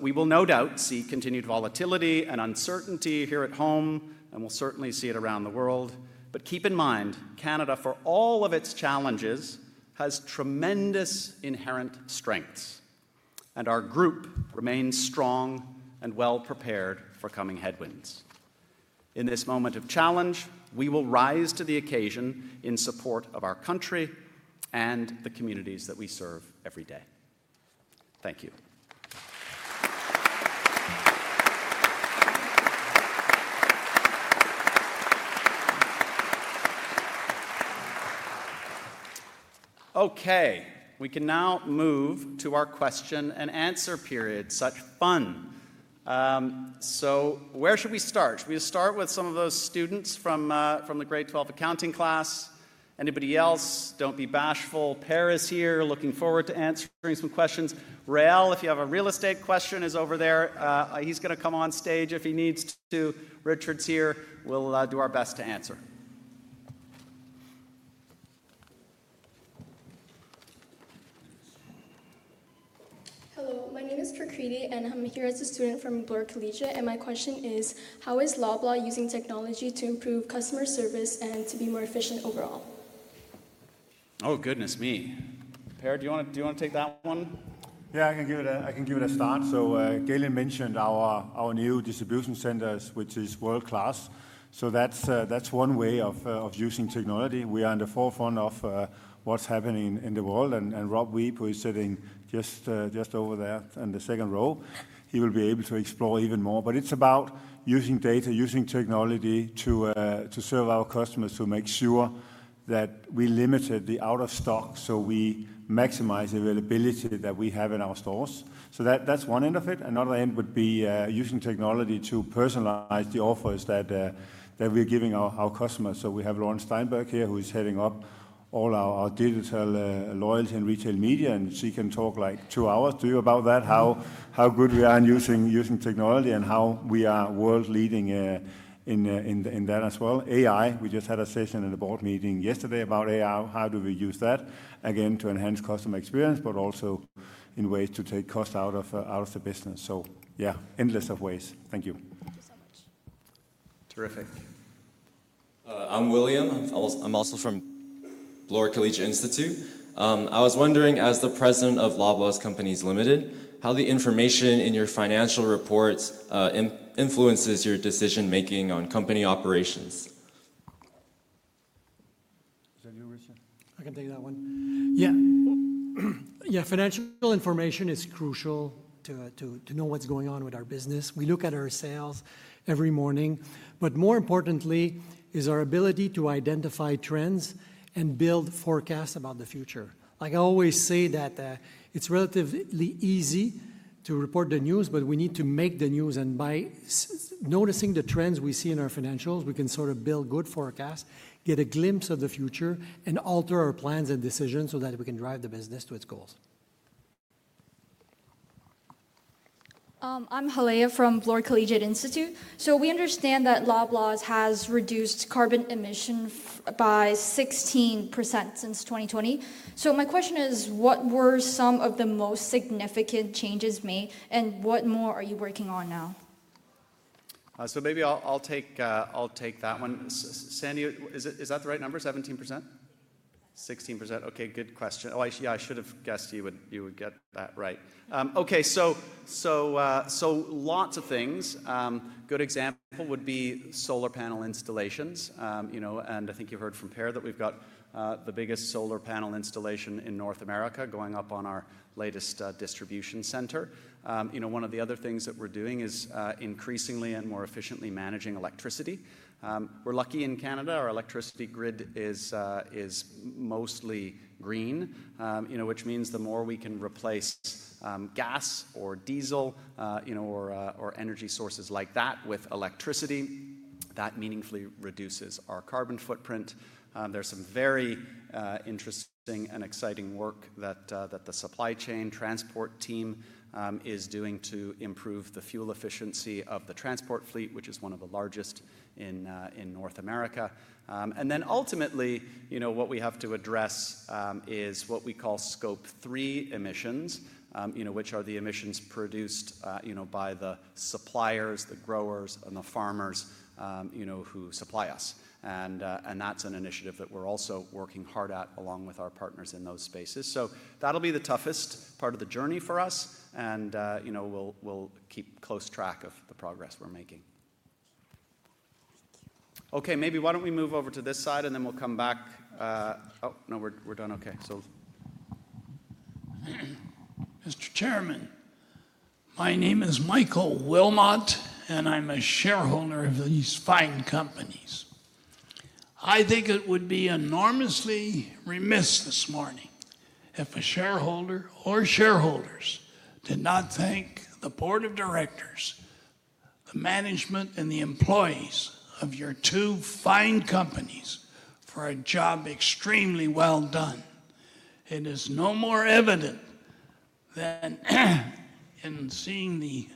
Speaker 1: We will no doubt see continued volatility and uncertainty here at home, and we will certainly see it around the world. Keep in mind, Canada, for all of its challenges, has tremendous inherent strengths, and our group remains strong and well-prepared for coming headwinds. In this moment of challenge, we will rise to the occasion in support of our country and the communities that we serve every day. Thank you. Okay, we can now move to our question and answer period. Such fun. Where should we start? Should we start with some of those students from the grade 12 accounting class? Anybody else? Do not be bashful. Per is here, looking forward to answering some questions. Rael, if you have a real estate question, is over there. He is going to come on stage if he needs to. Richard is here. We will do our best to answer.
Speaker 14: Hello, my name is Prakriti, and I am here as a student from Bloor Collegiate, and my question is, how is Loblaw using technology to improve customer service and to be more efficient overall?
Speaker 1: Oh, goodness me. Per, do you want to take that one?
Speaker 4: Yeah, I can give it a start. Galen mentioned our new distribution centers, which is world-class. That is one way of using technology. We are in the forefront of what is happening in the world, and Rob Wiebe, who is sitting just over there in the second row, he will be able to explore even more. It is about using data, using technology to serve our customers, to make sure that we limit the out-of-stock so we maximize the availability that we have in our stores. That is one end of it. Another end would be using technology to personalize the offers that we are giving our customers. We have Lauren Steinberg here, who is heading up all our digital loyalty and retail media, and she can talk like two hours to you about that, how good we are in using technology and how we are world-leading in that as well. AI, we just had a session in the board meeting yesterday about AI. How do we use that? Again, to enhance customer experience, but also in ways to take costs out of the business. Endless ways. Thank you.
Speaker 14: Thank you so much.
Speaker 1: Terrific.
Speaker 14: I am William. I am also from Bloor Collegiate Institute. I was wondering, as the President of Loblaw Companies Limited, how the information in your financial reports influences your decision-making on company operations.
Speaker 1: Is that your question?
Speaker 2: I can take that one. Yeah. Yeah, financial information is crucial to know what's going on with our business. We look at our sales every morning, but more importantly, is our ability to identify trends and build forecasts about the future. Like I always say that it's relatively easy to report the news, but we need to make the news. And by noticing the trends we see in our financials, we can sort of build good forecasts, get a glimpse of the future, and alter our plans and decisions so that we can drive the business to its goals.
Speaker 15: I'm Haleya from Bloor Collegiate Institute. So we understand that Loblaw has reduced carbon emissions by 16% since 2020. My question is, what were some of the most significant changes made, and what more are you working on now?
Speaker 1: Maybe I'll take that one. Sandy, is that the right number? 17%? 16%. Good question. Oh, yeah, I should have guessed you would get that right. Lots of things. A good example would be solar panel installations. I think you've heard from Per that we've got the biggest solar panel installation in North America going up on our latest distribution center. One of the other things that we're doing is increasingly and more efficiently managing electricity. We're lucky in Canada. Our electricity grid is mostly green, which means the more we can replace gas or diesel or energy sources like that with electricity, that meaningfully reduces our carbon footprint. There's some very interesting and exciting work that the supply chain transport team is doing to improve the fuel efficiency of the transport fleet, which is one of the largest in North America. What we have to address is what we call Scope 3 emissions, which are the emissions produced by the suppliers, the growers, and the farmers who supply us. That's an initiative that we're also working hard at along with our partners in those spaces. That'll be the toughest part of the journey for us, and we'll keep close track of the progress we're making. Okay, maybe why don't we move over to this side, and then we'll come back. Oh, no, we're done. Okay, so.
Speaker 16: Mr. Chairman, my name is Michael Wilmot, and I'm a shareholder of these fine companies. I think it would be enormously remiss this morning if a shareholder or shareholders did not thank the board of directors, the management, and the employees of your two fine companies for a job extremely well done. It is no more evident than in seeing the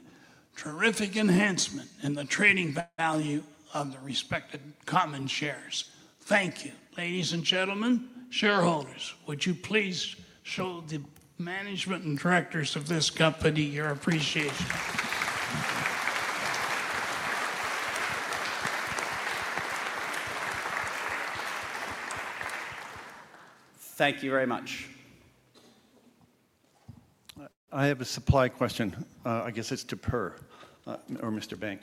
Speaker 16: terrific enhancement in the trading value of the respected common shares. Thank you. Ladies and gentlemen, shareholders, would you please show the management and directors of this company your appreciation?
Speaker 1: Thank you very much.
Speaker 17: I have a supply question. I guess it's to Per or Mr. Bank.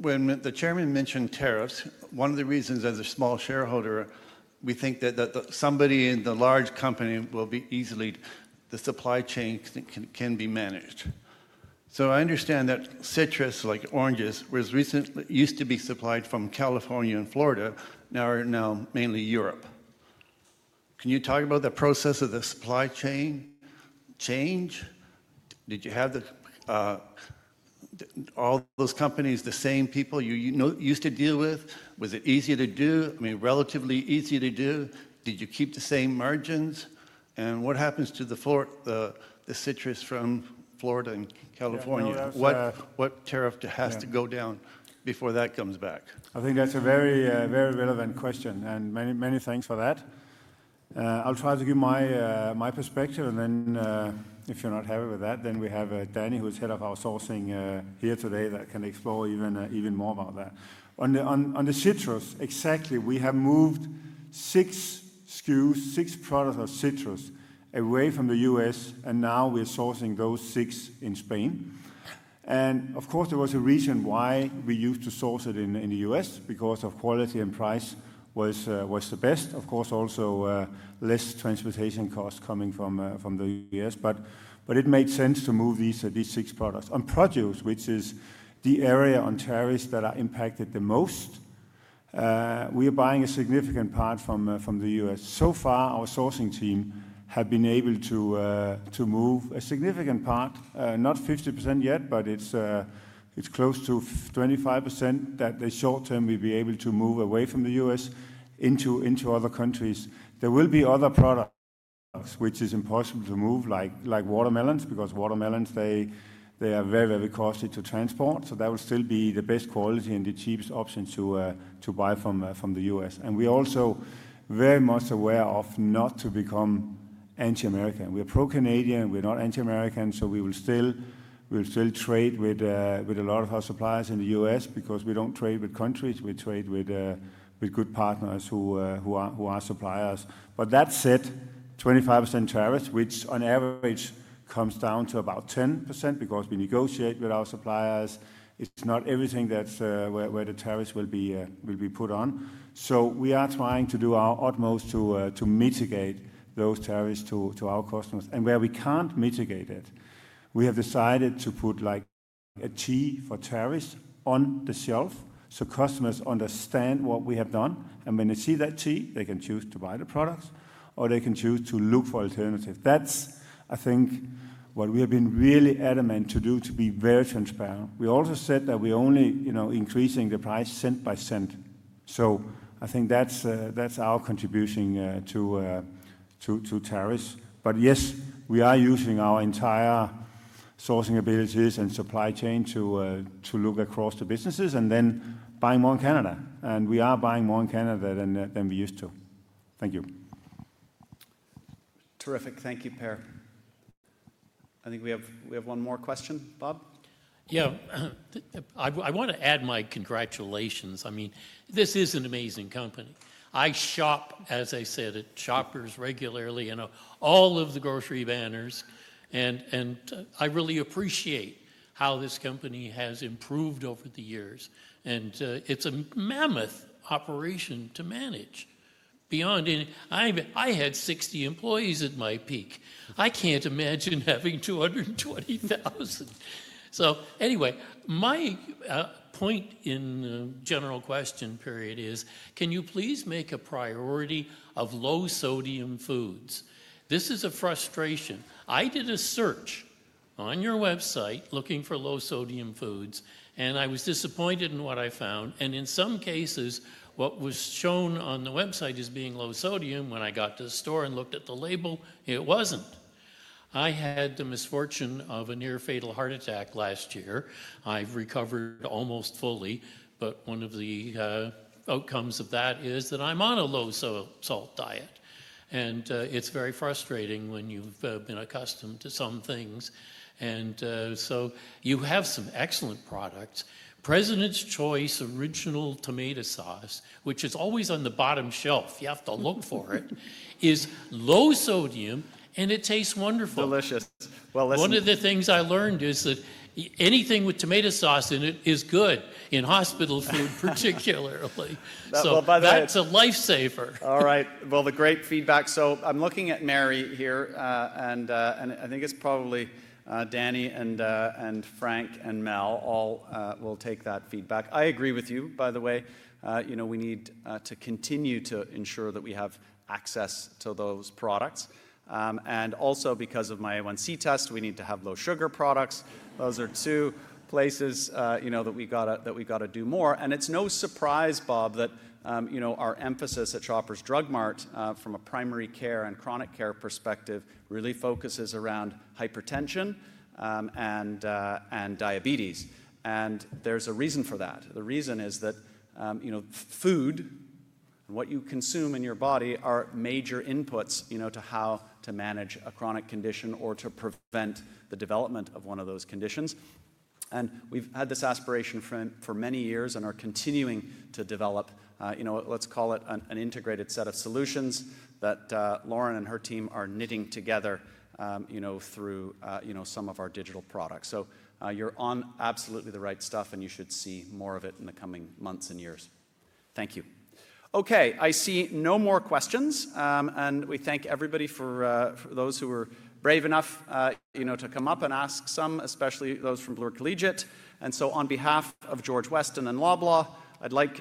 Speaker 17: When the chairman mentioned tariffs, one of the reasons as a small shareholder, we think that somebody in the large company will be easily the supply chain can be managed. I understand that citrus, like oranges, used to be supplied from California and Florida, now mainly Europe. Can you talk about the process of the supply chain change? Did you have all those companies, the same people you used to deal with? Was it easy to do? I mean, relatively easy to do? Did you keep the same margins? What happens to the citrus from Florida and California? What tariff has to go down before that comes back?
Speaker 4: I think that's a very relevant question, and many thanks for that. I'll try to give my perspective, and then if you're not happy with that, we have Danny, who's head of our sourcing here today, that can explore even more about that. On the citrus, exactly, we have moved six SKUs, six products of citrus away from the U.S., and now we're sourcing those six in Spain. Of course, there was a reason why we used to source it in the U.S. because quality and price was the best. Also, less transportation costs coming from the U.S., but it made sense to move these six products. On produce, which is the area on tariffs that are impacted the most, we are buying a significant part from the U.S. So far, our sourcing team has been able to move a significant part, not 50% yet, but it's close to 25% that in the short term we'll be able to move away from the U.S. into other countries. There will be other products which are impossible to move, like watermelons, because watermelons are very, very costly to transport. That will still be the best quality and the cheapest option to buy from the U.S. We are also very much aware of not to become anti-American. We are pro-Canadian, we are not anti-American, so we will still trade with a lot of our suppliers in the U.S. because we do not trade with countries. We trade with good partners who are suppliers. That said, 25% tariffs, which on average comes down to about 10% because we negotiate with our suppliers, it is not everything that is where the tariffs will be put on. We are trying to do our utmost to mitigate those tariffs to our customers. Where we cannot mitigate it, we have decided to put a T for tariffs on the shelf so customers understand what we have done. When they see that T, they can choose to buy the products or they can choose to look for alternatives. That is, I think, what we have been really adamant to do, to be very transparent. We also said that we're only increasing the price cent by cent. I think that's our contribution to tariffs. Yes, we are using our entire sourcing abilities and supply chain to look across the businesses and then buy more in Canada. We are buying more in Canada than we used to. Thank you.
Speaker 1: Terrific. Thank you, Per. I think we have one more question, Bob.
Speaker 5: I want to add my congratulations. I mean, this is an amazing company. I shop, as I said, at Shoppers regularly, all of the grocery banners, and I really appreciate how this company has improved over the years. It is a mammoth operation to manage. I had 60 employees at my peak. I can't imagine having 220,000. Anyway, my point in general question period is, can you please make a priority of low-sodium foods? This is a frustration. I did a search on your website looking for low-sodium foods, and I was disappointed in what I found. In some cases, what was shown on the website as being low-sodium, when I got to the store and looked at the label, it was not. I had the misfortune of a near-fatal heart attack last year. I have recovered almost fully, but one of the outcomes of that is that I am on a low-salt diet. It is very frustrating when you have been accustomed to some things. You have some excellent products. President's Choice original tomato sauce, which is always on the bottom shelf, you have to look for it, is low-sodium, and it tastes wonderful.
Speaker 1: Delicious.
Speaker 5: One of the things I learned is that anything with tomato sauce in it is good, in hospital food particularly. That is a lifesaver.
Speaker 1: All right. The great feedback. I'm looking at Mary here, and I think it's probably Danny and Frank and Mel all will take that feedback. I agree with you, by the way. We need to continue to ensure that we have access to those products. Also, because of my A1C test, we need to have low-sugar products. Those are two places that we got to do more. It's no surprise, Bob, that our emphasis at Shoppers Drug Mart, from a primary care and chronic care perspective, really focuses around hypertension and diabetes. There's a reason for that. The reason is that food and what you consume in your body are major inputs to how to manage a chronic condition or to prevent the development of one of those conditions. We have had this aspiration for many years and are continuing to develop, let's call it an integrated set of solutions that Lauren and her team are knitting together through some of our digital products. You are on absolutely the right stuff, and you should see more of it in the coming months and years. Thank you. I see no more questions. We thank everybody for those who were brave enough to come up and ask some, especially those from Bloor Collegiate. On behalf of George Weston and Loblaw, I would like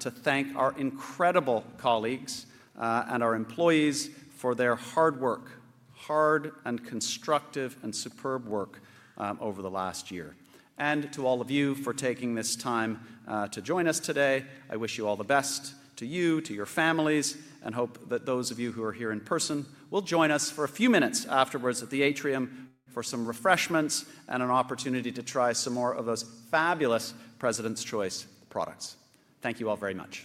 Speaker 1: to thank our incredible colleagues and our employees for their hard work, hard and constructive and superb work over the last year. To all of you for taking this time to join us today, I wish you all the best, to you, to your families, and hope that those of you who are here in person will join us for a few minutes afterwards at the atrium for some refreshments and an opportunity to try some more of those fabulous President's Choice products. Thank you all very much.